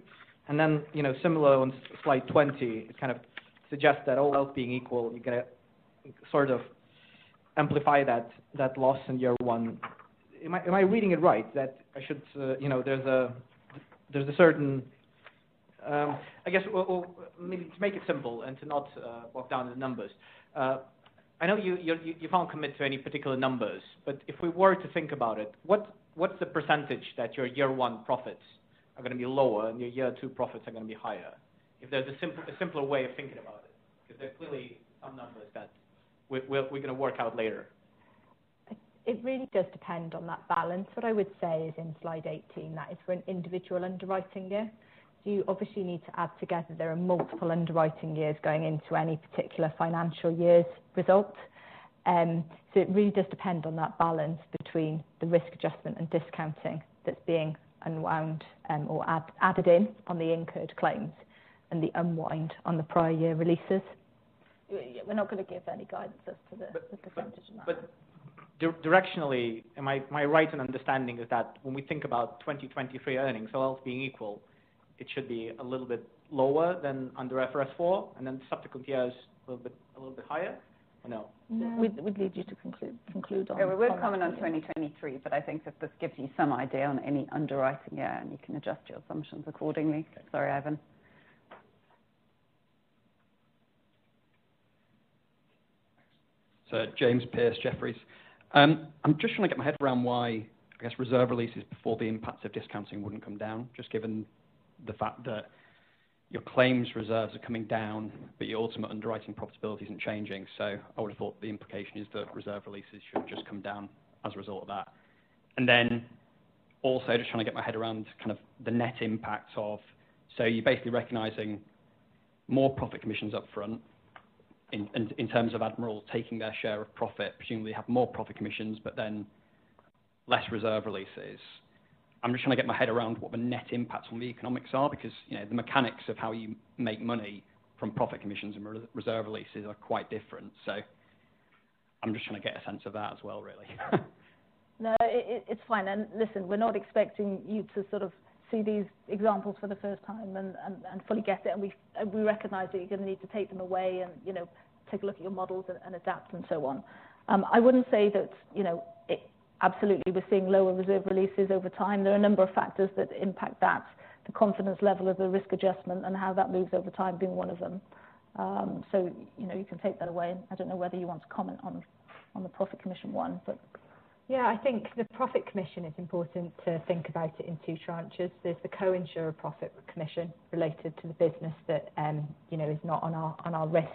[SPEAKER 7] Then, you know, similar on slide 20, it kind of suggests that all else being equal, you're going to sort of amplify that loss in year one. Am I reading it right that I should, you know, there's a certain, I guess we'll maybe to make it simple and to not bog down the numbers? I know you can't commit to any particular numbers. If we were to think about it, what's the percentage that your year one profits are going to be lower and your year two profits are going to be higher? If there's a simpler way of thinking about it, 'cause there's clearly some numbers that we're going to work out later.
[SPEAKER 2] It really does depend on that balance. What I would say is in slide 18, that is for an individual underwriting year. You obviously need to add together, there are multiple underwriting years going into any particular financial year's result. It really does depend on that balance between the risk adjustment and discounting that's being unwound, or added in on the incurred claims and the unwind on the prior year releases. We're not going to give any guidance as to the percentage on that.
[SPEAKER 7] Directionally, am I right in understanding is that when we think about 2023 earnings, all else being equal, it should be a little bit lower than under IFRS 4 and then subsequent years a little bit higher or no?
[SPEAKER 2] No. We'd need you to conclude.
[SPEAKER 3] Yeah. We won't comment on 2023. I think that this gives you some idea on any underwriting year. You can adjust your assumptions accordingly. Sorry, Ivan.
[SPEAKER 8] James Pearce, Jefferies. I'm just trying to get my head around why, I guess reserve releases before the impacts of discounting wouldn't come down, just given the fact that your claims reserves are coming down, but your ultimate underwriting profitability isn't changing. I would have thought the implication is that reserve releases should just come down as a result of that. Then also just trying to get my head around kind of the net impact of so you're basically recognizing more profit commissions up front in terms of Admiral's taking their share of profit, presumably have more profit commissions, but then less reserve releases. I'm just trying to get my head around what the net impacts on the economics are because, you know, the mechanics of how you make money from profit commissions and reserve releases are quite different? I'm just trying to get a sense of that as well, really.
[SPEAKER 2] No, it's fine. Listen, we're not expecting you to sort of see these examples for the first time and fully get it. We recognize that you're going to need to take them away and, you know, take a look at your models and adapt and so on. I wouldn't say that, you know, it absolutely we're seeing lower reserve releases over time. There are a number of factors that impact that, the confidence level of the risk adjustment and how that moves over time being one of them. You know, you can take that away. I don't know whether you want to comment on the profit commission one.
[SPEAKER 3] Yeah. I think the profit commission is important to think about it in two tranches. There's the co-insurer profit commission related to the business that, you know, is not on our, on our risk,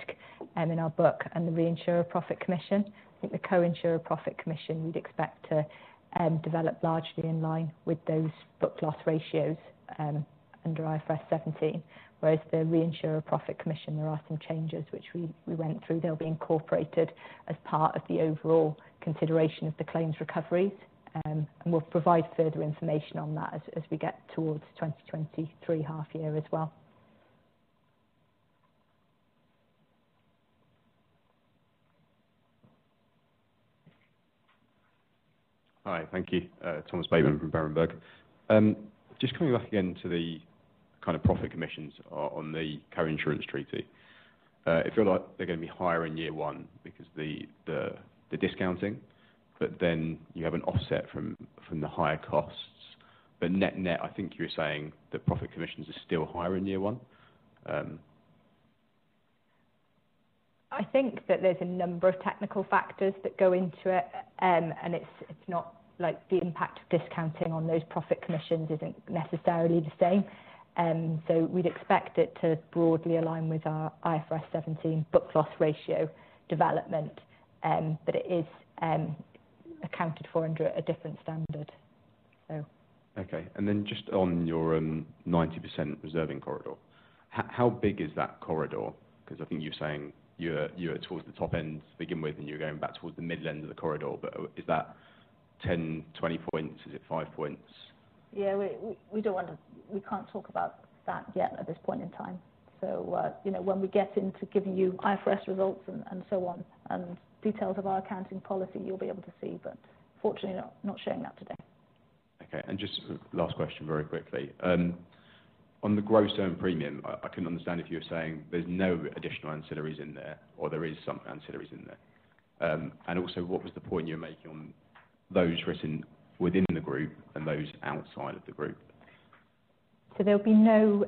[SPEAKER 3] in our book, and the reinsurer profit commission. I think the co-insurer profit commission, we'd expect to develop largely in line with those book loss ratios, under IFRS 17. Whereas the reinsurer profit commission, there are some changes which we went through. They'll be incorporated as part of the overall consideration of the claims recoveries, and we'll provide further information on that as we get towards 2023 half year as well.
[SPEAKER 9] Hi. Thank you. Thomas Bateman from Berenberg. Just coming back again to the kind of profit commissions on the Coinsurance treaty. I feel like they're going to be higher in year one because the discounting, then you have an offset from the higher costs. Net-net, I think you're saying the profit commissions are still higher in year one.
[SPEAKER 3] I think that there's a number of technical factors that go into it, and it's not like the impact of discounting on those profit commissions isn't necessarily the same. We'd expect it to broadly align with our IFRS 17 book-loss ratio development. It is accounted for under a different standard.
[SPEAKER 9] Okay. Then just on your 90% reserving corridor. How big is that corridor? Because I think you're saying you're towards the top end to begin with, and you're going back towards the mid-end of the corridor. Is that 10, 20 points? Is it five points?
[SPEAKER 3] Yeah, we can't talk about that yet at this point in time. You know, when we get into giving you IFRS results and so on, and details of our accounting policy, you'll be able to see. Fortunately, not sharing that today.
[SPEAKER 9] Okay. Just last question very quickly. On the gross earn premium, I couldn't understand if you were saying there's no additional ancillaries in there or there is some ancillaries in there. Also what was the point you were making on those written within the Group and those outside of the Group?
[SPEAKER 3] There'll be no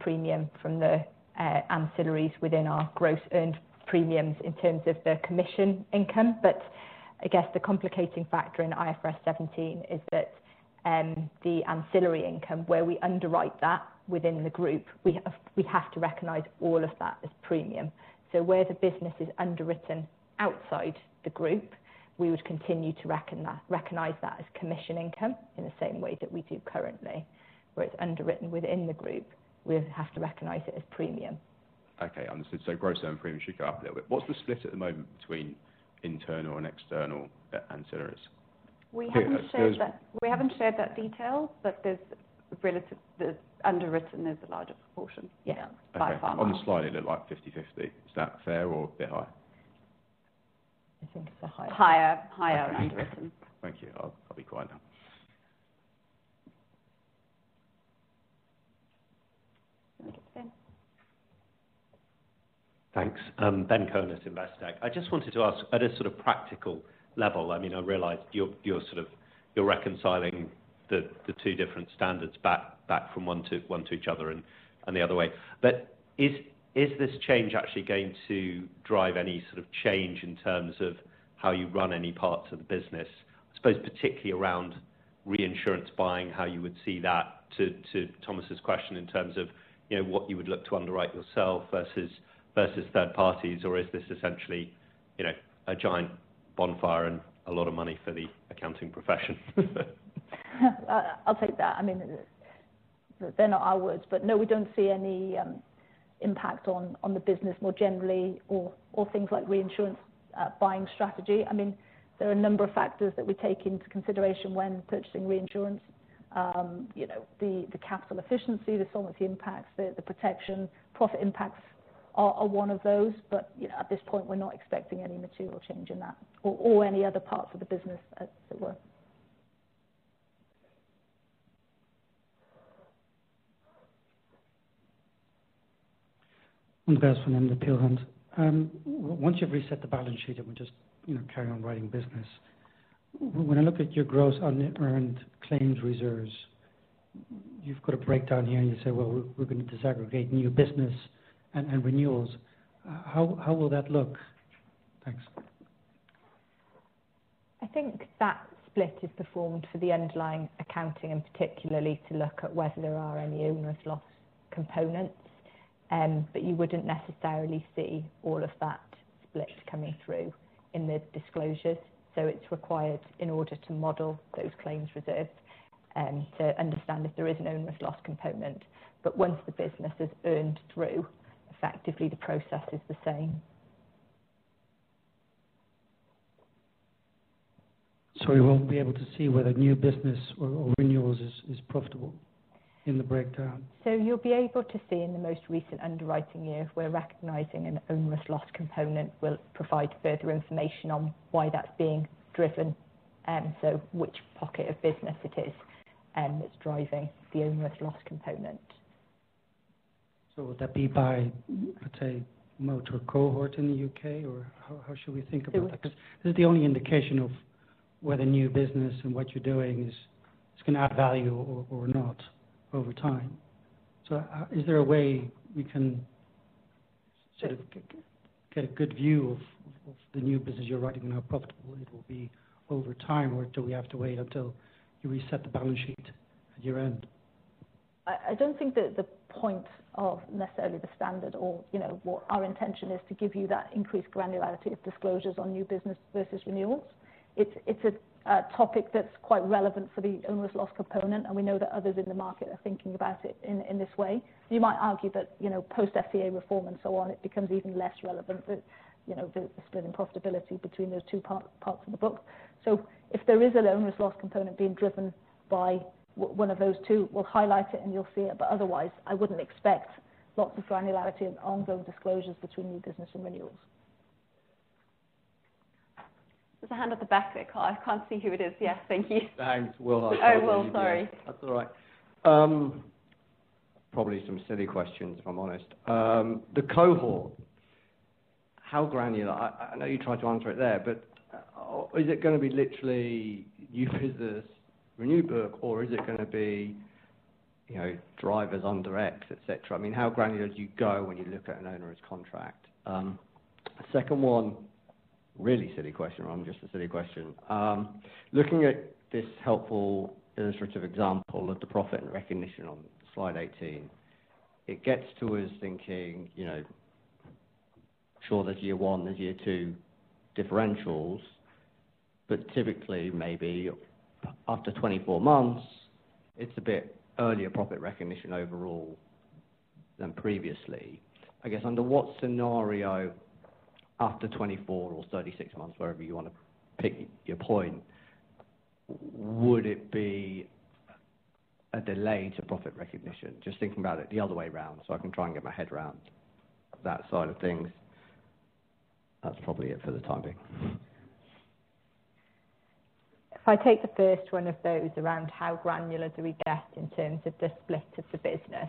[SPEAKER 3] premium from the ancillaries within our gross earned premiums in terms of the commission income. I guess the complicating factor in IFRS 17 is that the ancillary income where we underwrite that within the group, we have to recognize all of that as premium. Where the business is underwritten outside the group, we would continue to recognize that as commission income in the same way that we do currently. Where it's underwritten within the group, we have to recognize it as premium.
[SPEAKER 9] Okay. Understood. Gross earn premium should go up a little bit. What's the split at the moment between internal and external ancillaries?
[SPEAKER 3] We haven't shared that detail, but there's underwritten is the larger proportion. Yeah. By far.
[SPEAKER 9] Okay. On the slide, it looked like 50/50. Is that fair or a bit high?
[SPEAKER 2] I think it's the higher.
[SPEAKER 3] Higher underwritten.
[SPEAKER 9] Thank you. I'll be quiet now.
[SPEAKER 1] Okay. Ben.
[SPEAKER 10] Thanks. Benjamin Cohen, Investec. I just wanted to ask at a sort of practical level, I mean, I realize you're sort of, you're reconciling the two different standards back from one to each other and the other way. Is this change actually going to drive any sort of change in terms of how you run any parts of the business? I suppose particularly around reinsurance buying, how you would see that to Thomas' question in terms of, you know, what you would look to underwrite yourself versus third parties. Is this essentially, you know, a giant bonfire and a lot of money for the accounting profession?
[SPEAKER 3] I'll take that. I mean, they're not our words. No, we don't see any impact on the business more generally or things like reinsurance buying strategy. I mean, there are a number of factors that we take into consideration when purchasing reinsurance. You know, the capital efficiency, the solvency impacts, the protection, profit impacts are one of those. You know, at this point, we're not expecting any material change in that or any other parts of the business as it were.
[SPEAKER 11] from Peel Hunt. Once you've reset the balance sheet and we just, you know, carry on writing business, when I look at your gross unearned claims reserves, you've got a breakdown here, and you say, "Well, we're going to disaggregate new business and renewals." How will that look? Thanks.
[SPEAKER 3] I think that split is performed for the underlying accounting and particularly to look at whether there are any onerous loss components. You wouldn't necessarily see all of that split coming through in the disclosures. It's required in order to model those claims reserves, to understand if there is an onerous loss component. Once the business is earned through, effectively the process is the same.
[SPEAKER 11] So, we won't be able to see whether new business or renewals is profitable in the breakdown?
[SPEAKER 3] You'll be able to see in the most recent underwriting year if we're recognizing an onerous loss component. We'll provide further information on why that's being driven, so which pocket of business it is, that's driving the onerous loss component.
[SPEAKER 11] Would that be by, let's say, motor cohort in the U.K. or how should we think about that? Becuse this is the only indication of whether new business and what you're doing is going to add value or not over time. Is there a way we can sort of get a good view of the new business you're writing and how profitable it will be over time, or do we have to wait until you reset the balance sheet at year-end?
[SPEAKER 3] I don't think that the point of necessarily the standard or, you know, what our intention is to give you that increased granularity of disclosures on new business versus renewals. It's a topic that's quite relevant for the onerous loss component, we know that others in the market are thinking about it in this way. You might argue that, you know, post FCA reform and so on, it becomes even less relevant that, you know, the splitting profitability between those two parts of the book. If there is an onerous loss component being driven by one of those two, we'll highlight it and you'll see it. Otherwise, I wouldn't expect lots of granularity and ongoing disclosures between new business and renewals. There's a hand at the back there. I can't see who it is. Yes. Thank you.
[SPEAKER 12] Thanks. Will.
[SPEAKER 3] Oh, Will, sorry.
[SPEAKER 12] That's all right. Probably some silly questions, if I'm honest. The cohort, how granular... I know you tried to answer it there, but is it going to be literally new business renew book, or is it going to be, you know, drivers under X, etc.? I mean, how granular do you go when you look at an owner's contract? Second one, really silly question or just a silly question. Looking at this helpful illustrative example of the profit and recognition on slide 18, it gets to us thinking, you know, Sure, there's year one, there's year two differentials, but typically maybe after 24 months, it's a bit earlier profit recognition overall than previously. I guess under what scenario after 24 or 36 months, wherever you want to pick your point, would it be a delay to profit recognition? Just thinking about it the other way around so I can try and get my head around that side of things. That's probably it for the time being.
[SPEAKER 3] If I take the first one of those around how granular do we get in terms of the split of the business.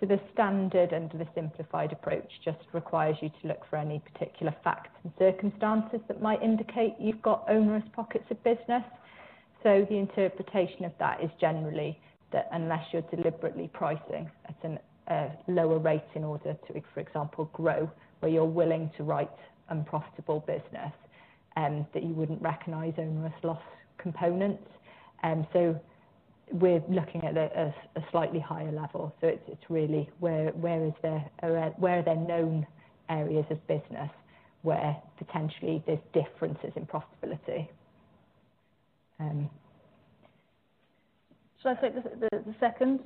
[SPEAKER 3] The standard and the simplified approach just requires you to look for any particular facts and circumstances that might indicate you've got onerous pockets of business. The interpretation of that is generally that unless you're deliberately pricing at a lower rate in order to, for example, grow, where you're willing to write unprofitable business that you wouldn't recognize onerous loss components. We're looking at a slightly higher level. It's really where are there known areas of business where potentially there's differences in profitability.
[SPEAKER 2] Shall I take the second?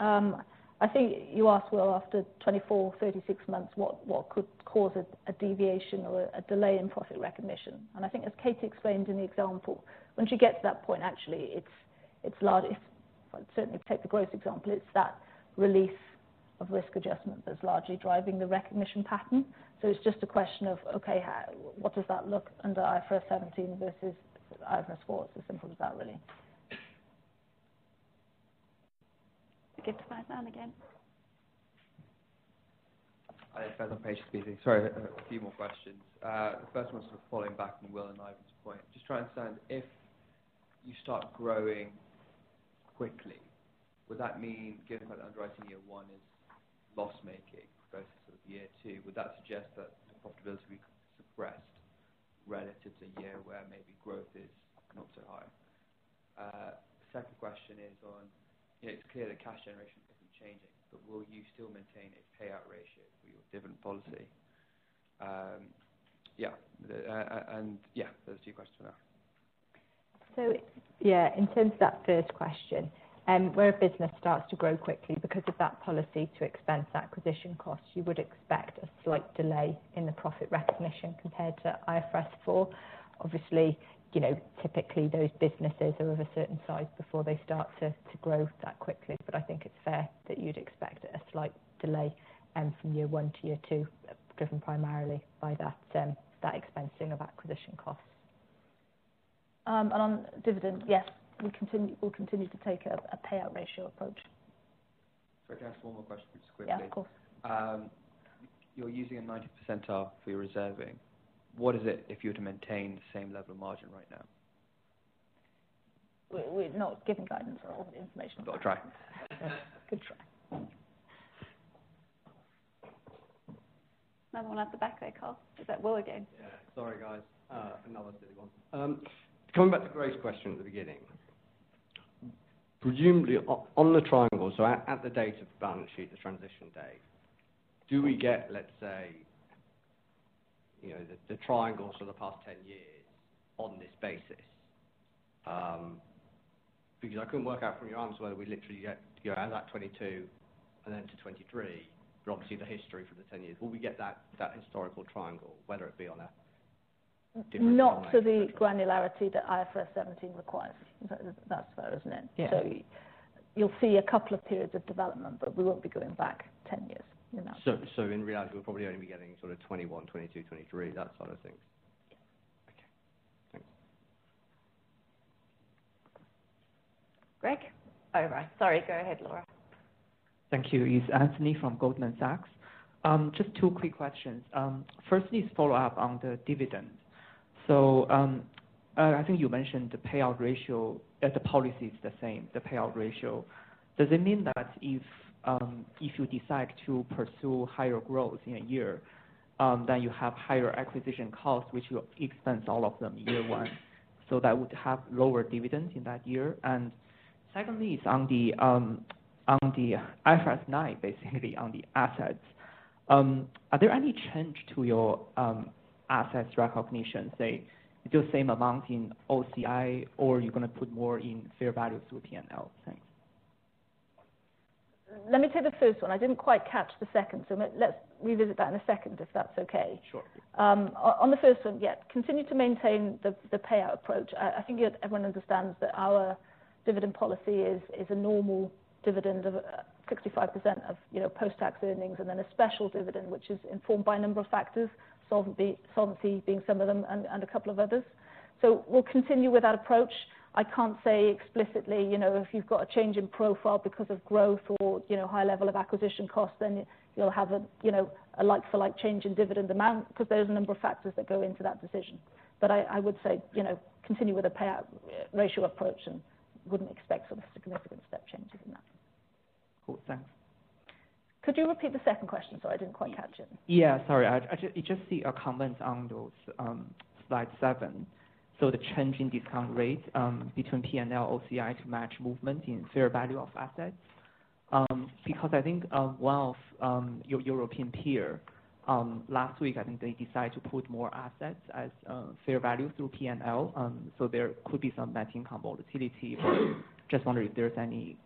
[SPEAKER 2] I think you asked, well, after 24, 36 months, what could cause a deviation or a delay in profit recognition? I think as Katie explained in the example, when she gets to that point, actually it's large. If I certainly take the growth example, it's that release of risk adjustment that's largely driving the recognition pattern. It's just a question of, okay, what does that look under IFRS 17 versus IFRS 4. It's as simple as that, really.
[SPEAKER 1] Back to Faizan again.
[SPEAKER 6] Hi, thanks. I'm patient speaking. Sorry, a few more questions. The first one's sort of following back on Will and Ivan's point. Just trying to understand, if you start growing quickly, would that mean given that underwriting year one is loss-making versus sort of year two, would that suggest that the profitability could be suppressed relative to a year where maybe growth is not so high? Second question is on, you know, it's clear that cash generation isn't changing, but will you still maintain a payout ratio for your dividend policy? Yeah. Yeah, those are two questions for now.
[SPEAKER 3] Yeah, in terms of that first question, where a business starts to grow quickly because of that policy to expense acquisition costs, you would expect a slight delay in the profit recognition compared to IFRS 4. Obviously, you know, typically those businesses are of a certain size before they start to grow that quickly. I think it's fair that you'd expect a slight delay, from year one to year two, driven primarily by that expensing of acquisition costs.
[SPEAKER 2] On dividend, yes, we'll continue to take a payout ratio approach.
[SPEAKER 6] Sorry, can I ask one more question just quickly?
[SPEAKER 3] Yeah, of course.
[SPEAKER 6] You're using a 90th percentile for your reserving. What is it if you were to maintain the same level of margin right now?
[SPEAKER 2] We're not giving guidance on the information.
[SPEAKER 6] Got you.
[SPEAKER 3] Another one at the back there, Carl. Is that Will again?
[SPEAKER 12] Yeah. Sorry, guys. another silly one. coming back to Grace's question at the beginning. Presumably on the triangle, so at the date of the balance sheet, the transition date, do we get, let's say, you know, the triangle for the past 10 years on this basis? Because I couldn't work out from your answer whether we literally get, you know, out of that 2022 and then to 2023, but obviously the history for the 10 years. Will we get that historical triangle, whether it be on a different-?
[SPEAKER 2] Not to the granularity that IFRS 17 requires. That's fair, isn't it? You'll see a couple of periods of development, but we won't be going back 10 years in that.
[SPEAKER 12] In reality, we'll probably only be getting sort of 2021, 2022, 2023, that side of things.
[SPEAKER 2] Yeah.
[SPEAKER 12] Okay. Thanks.
[SPEAKER 3] Greg? Over. Sorry, go ahead, Laura.
[SPEAKER 13] Thank you. It's Anthony from Goldman Sachs. Just two quick questions. Firstly is follow up on the dividend. I think you mentioned the payout ratio, the policy is the same, the payout ratio. Does it mean that if you decide to pursue higher growth in a year, then you have higher acquisition costs, which you expense all of them year one, so that would have lower dividends in that year? Secondly is on the IFRS 9, basically on the assets. Are there any change to your assets recognition? Say you do the same amount in OCI or you're going to put more in fair value through P&L? Thanks.
[SPEAKER 2] Let me take the first one. I didn't quite catch the second, let's revisit that in a second, if that's okay.
[SPEAKER 13] Sure.
[SPEAKER 2] On the first one, yeah, continue to maintain the payout approach. I think it everyone understands that our dividend policy is a normal dividend of 65% of, you know, post-tax earnings and then a special dividend, which is informed by a number of factors, solvency being some of them and a couple of others. We'll continue with that approach. I can't say explicitly, you know, if you've got a change in profile because of growth or, you know, high level of acquisition costs, then you'll have a, you know, like for like change in dividend amount 'cause there's a number of factors that go into that decision. I would say, you know, continue with a payout ratio approach and wouldn't expect sort of significant step changes in that.
[SPEAKER 13] Cool. Thanks.
[SPEAKER 2] Could you repeat the second question? Sorry, I didn't quite catch it.
[SPEAKER 13] Sorry. It's just the comments on those, slide seven. The change in discount rate, between P&L OCI to match movement in fair value of assets. I think, one of European peer, last week, I think they decided to put more assets as fair value through P&L. There could be some net income volatility. Just wondering if there's any?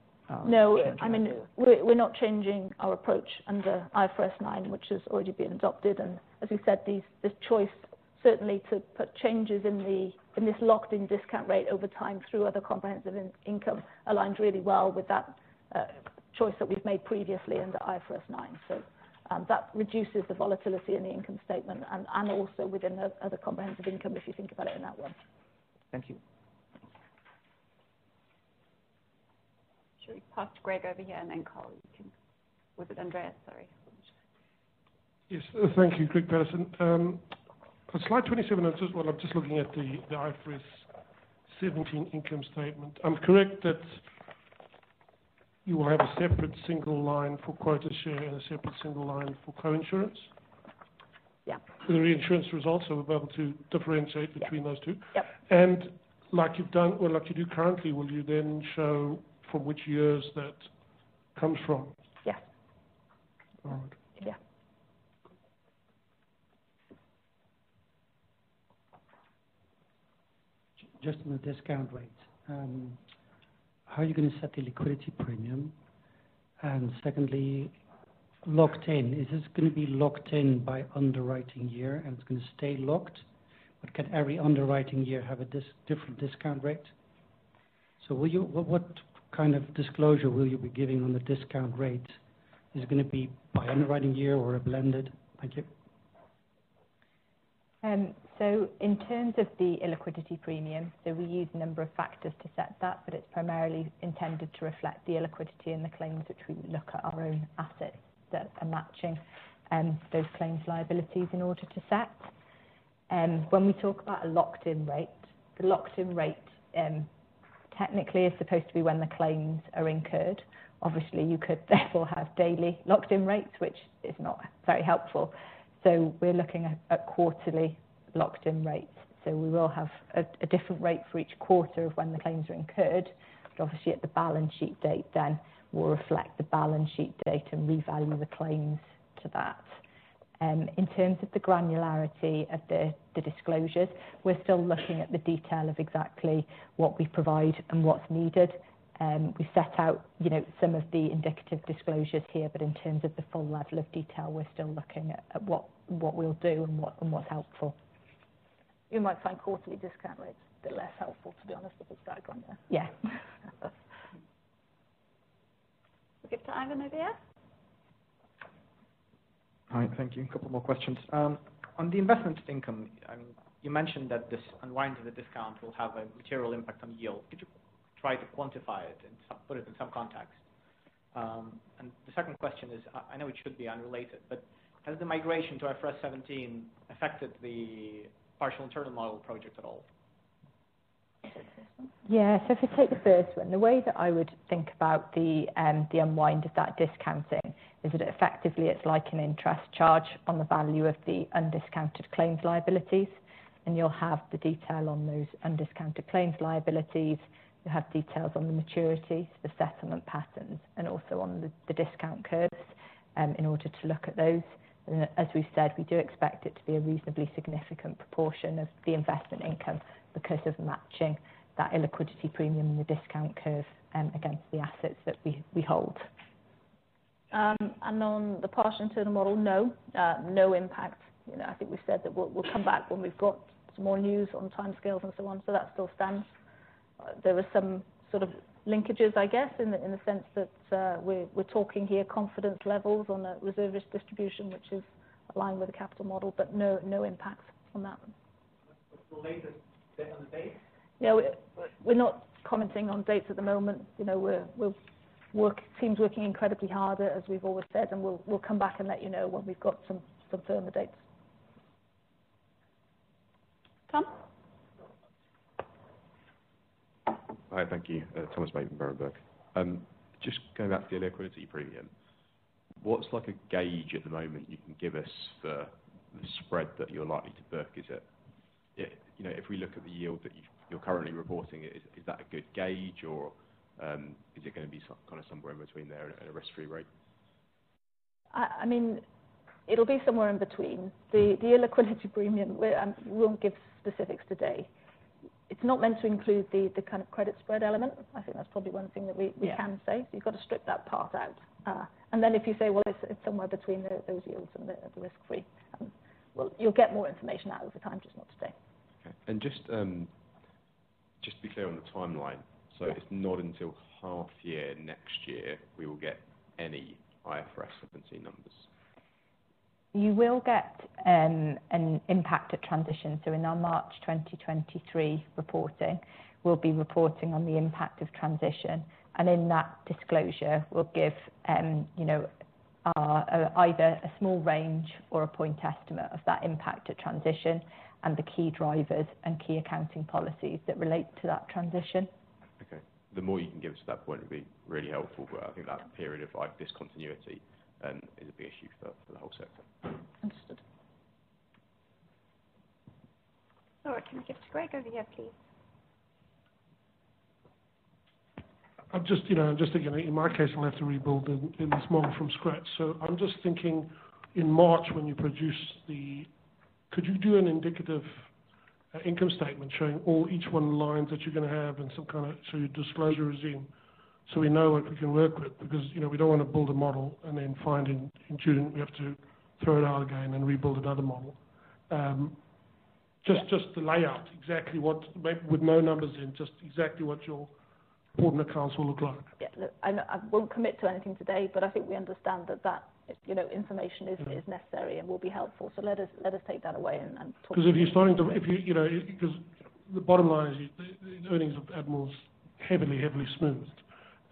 [SPEAKER 2] No. I mean, we're not changing our approach under IFRS 9, which has already been adopted. As we said, this choice certainly to put changes in this locked-in discount rate over time through other comprehensive income aligns really well with that choice that we've made previously under IFRS 9. That reduces the volatility in the income statement and also within the other comprehensive income, if you think about it in that way.
[SPEAKER 9] Thank you.
[SPEAKER 1] Shall we pass to Greg over here and then Carl? Was it Andreas? Sorry.
[SPEAKER 4] Yes. Thank you. Greig Paterson. For slide 27, Well, I'm just looking at the IFRS 17 income statement. I'm correct that you will have a separate single line for quota share and a separate single line for Coinsurance?
[SPEAKER 2] Yeah.
[SPEAKER 4] The reinsurance results will be able to differentiate between those two?
[SPEAKER 2] Yeah. Yep.
[SPEAKER 4] Like you do currently, will you then show from which years that comes from?
[SPEAKER 2] Yes.
[SPEAKER 4] All right. Cool.
[SPEAKER 14] Just on the discount rate, how are you going to set the illiquidity premium? Secondly, locked in, is this going to be locked in by underwriting year and it's going to stay locked? Can every underwriting year have a different discount rate? What kind of disclosure will you be giving on the discount rate? Is it going to be by underwriting year or a blended? Thank you.
[SPEAKER 3] In terms of the illiquidity premium, we use a number of factors to set that, but it's primarily intended to reflect the illiquidity in the claims which we look at our own assets that are matching those claims liabilities in order to set. When we talk about a locked-in rate, the locked-in rate technically is supposed to be when the claims are incurred. You could therefore have daily locked-in rates, which is not very helpful. We're looking at quarterly locked-in rates. We will have a different rate for each quarter of when the claims are incurred. At the balance sheet date, we'll reflect the balance sheet date and revalue the claims to that. In terms of the granularity of the disclosures, we're still looking at the detail of exactly what we provide and what's needed. We set out, you know, some of the indicative disclosures here, but in terms of the full level of detail, we're still looking at what we'll do and what's helpful.
[SPEAKER 2] You might find quarterly discount rates a bit less helpful, to be honest, with this diagram there.
[SPEAKER 3] Yeah.
[SPEAKER 1] We'll give to Ivan over here.
[SPEAKER 7] Hi. Thank you. A couple more questions. On the investment income, you mentioned that this unwind of the discount will have a material impact on yield. Could you try to quantify it and put it in some context? The second question is, I know it should be unrelated, but has the migration to IFRS 17 affected the partial internal model project at all?
[SPEAKER 3] If you take the first one, the way that I would think about the unwind of that discounting is that effectively it's like an interest charge on the value of the undiscounted claims liabilities, and you'll have the detail on those undiscounted claims liabilities. You'll have details on the maturities, the settlement patterns, and also on the discount curves in order to look at those. As we've said, we do expect it to be a reasonably significant proportion of the investment income because of matching that illiquidity premium and the discount curve against the assets that we hold.
[SPEAKER 2] On the partial internal model, no. No impact. You know, I think we said that we'll come back when we've got some more news on timescales and so on, so that still stands. There were some sort of linkages, I guess, in the sense that, we're talking here confidence levels on a reserve risk distribution, which is aligned with the capital model, but no impacts on that one.
[SPEAKER 7] The latest bit on the date?
[SPEAKER 2] No. We're not commenting on dates at the moment. You know, we're working incredibly hard, as we've always said, and we'll come back and let you know when we've got some firmer dates.
[SPEAKER 1] Tom.
[SPEAKER 9] Hi. Thank you. Thomas from Berenberg. Just going back to the illiquidity premium, what's like a gauge at the moment you can give us for the spread that you're likely to book? You know, if we look at the yield that you're currently reporting, is that a good gauge or, is it going to be some kind of somewhere in between there and a risk-free rate?
[SPEAKER 2] I mean, it'll be somewhere in between. The illiquidity premium, we won't give specifics today. It's not meant to include the kind of credit spread element. I think that's probably one thing that we can say. You've got to strip that part out. Then if you say, well, it's somewhere between those yields and the risk-free, well, you'll get more information out over time, just not today.
[SPEAKER 9] Okay. Just, just to be clear on the timeline. It's not until half year next year, we will get any IFRS 17 numbers?
[SPEAKER 3] You will get an impact at transition. In our March 2023 reporting, we'll be reporting on the impact of transition. In that disclosure, we'll give, you know, either a small range or a point estimate of that impact at transition and the key drivers and key accounting policies that relate to that transition.
[SPEAKER 9] Okay. The more you can give us at that point would be really helpful, but I think that period of like discontinuity, is a big issue for the whole sector.
[SPEAKER 2] Understood. All right. Can we get Greg over here, please?
[SPEAKER 4] I'm just, you know, thinking in my case, I'm going to have to rebuild the model from scratch. I'm just thinking, in March when you produce the, could you do an indicative income statement showing all, each one lines that you're going to have and some kind of sort of disclosure regime so we know what we can work with? You know, we don't want to build a model and then find in June we have to throw it out again and rebuild another model. Just the layout. Exactly with no numbers in, just exactly what your ordinary accounts will look like.
[SPEAKER 2] Yeah. Look, I know I won't commit to anything today. I think we understand that, you know, information is necessary and will be helpful. Let us take that away and talk through it.
[SPEAKER 4] If you know, the bottom line is the earnings of Admiral's heavily smoothed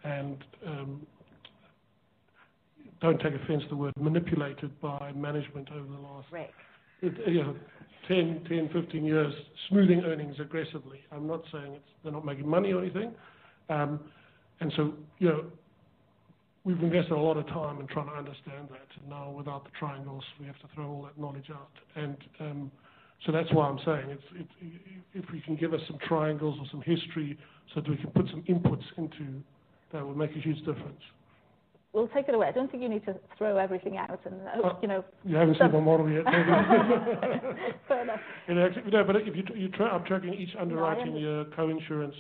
[SPEAKER 4] and don't take offense to the word manipulated by management over the last, you know, 10, 15 years. Smoothing earnings aggressively. I'm not saying it's they're not making money or anything. You know, we've invested a lot of time in trying to understand that. Now without the triangles, we have to throw all that knowledge out. That's why I'm saying it's. If we can give us some triangles or some history so that we can put some inputs into, that would make a huge difference.
[SPEAKER 2] We'll take it away. I don't think you need to throw everything out.
[SPEAKER 4] You haven't seen my model yet.
[SPEAKER 2] Fair enough.
[SPEAKER 4] You know, if you try, I'm tracking each underwriting year, Coinsurance,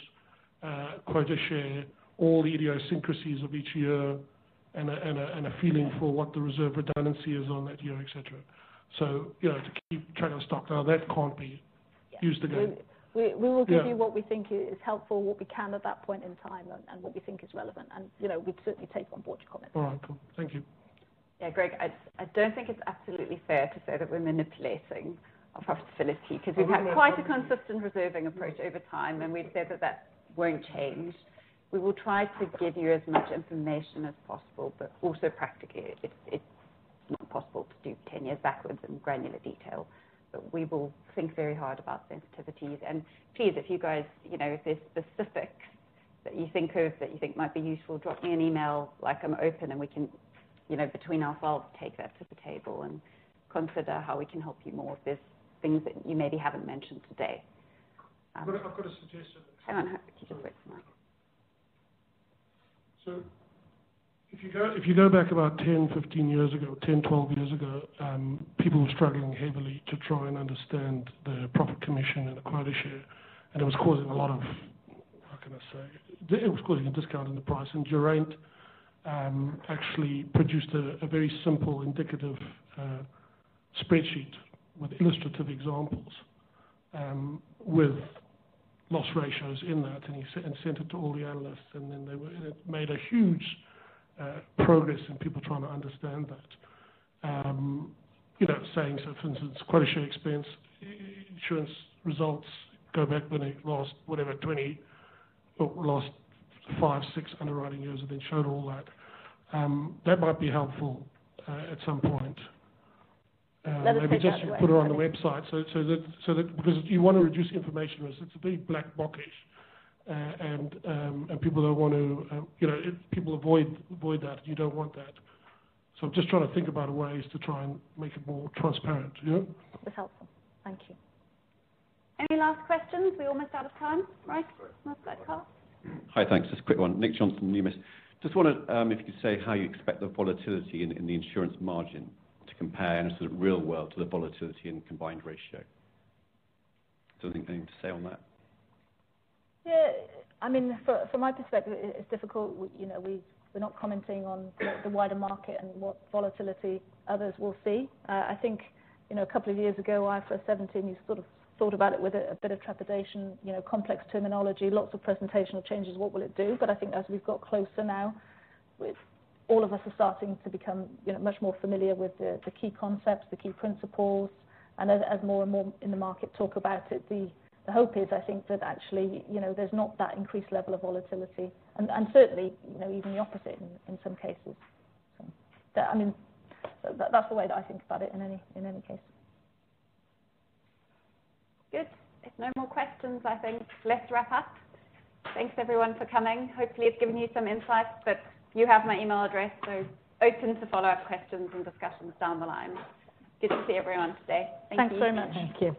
[SPEAKER 4] quota share, all the idiosyncrasies of each year and a feeling for what the reserve redundancy is on that year, et cetera. You know, to keep trying to stock now that can't be used again.
[SPEAKER 2] We will give you what we think is helpful, what we can at that point in time and what we think is relevant. You know, we'd certainly take on board your comments.
[SPEAKER 4] All right, cool. Thank you.
[SPEAKER 1] Yeah. Greg, I don't think it's absolutely fair to say that we're manipulating our profitability because we've had quite a consistent reserving approach over time, and we'd say that that won't change. We will try to give you as much information as possible, but also practically it's not possible to do 10 years backwards in granular detail. We will think very hard about sensitivities. Please, if you guys, you know, if there's specifics that you think of that you think might be useful, drop me an email. Like I'm open and we can, you know, between ourselves take that to the table and consider how we can help you more if there's things that you maybe haven't mentioned today.
[SPEAKER 4] I've got a suggestion.
[SPEAKER 1] Hang on. Could you just wait a minute?
[SPEAKER 4] If you go back about 10, 12 years ago, people were struggling heavily to try and understand the profit commission and quota share, and it was causing a lot of, how can I say? It was causing a discount in the price. Geraint actually produced a very simple indicative spreadsheet with illustrative examples with loss ratios in that. He sent it to all the analysts, and then they were, it made a huge progress in people trying to understand that. You know, saying for instance, quota share expense, insurance results go back when it lost whatever 20 or lost five, six underwriting years and then showed all that. That might be helpful at some point.
[SPEAKER 2] Let us take that away.
[SPEAKER 4] Maybe just put it on the website so that. Because you want to reduce information risk. It's a bit black box-ish and people avoid that. You don't want that. I'm just trying to think about ways to try and make it more transparent. You know?
[SPEAKER 2] That's helpful. Thank you. Any last questions? We're almost out of time. Mike, last quick half.
[SPEAKER 15] Hi. Thanks. Just a quick one. Nick Johnson, Numis. Just wondered if you could say how you expect the volatility in the insurance margin to compare in a sort of real world to the volatility in combined ratio. Is there anything to say on that?
[SPEAKER 2] Yeah. I mean, from my perspective, it's difficult. We, you know, we're not commenting on the wider market and what volatility others will see. I think, you know, a couple of years ago, IFRS 17, you sort of thought about it with a bit of trepidation, you know, complex terminology, lots of presentational changes, what will it do? I think as we've got closer now with all of us are starting to become, you know, much more familiar with the key concepts, the key principles. As more and more in the market talk about it, the hope is I think that actually, you know, there's not that increased level of volatility and certainly, you know, even the opposite in some cases. That, I mean, that's the way that I think about it in any case. Good. If no more questions, I think let's wrap up. Thanks everyone for coming. Hopefully, it's given you some insight, but you have my email address, so open to follow-up questions and discussions down the line. Good to see everyone today. Thank you.
[SPEAKER 1] Thanks so much.
[SPEAKER 2] Thank you.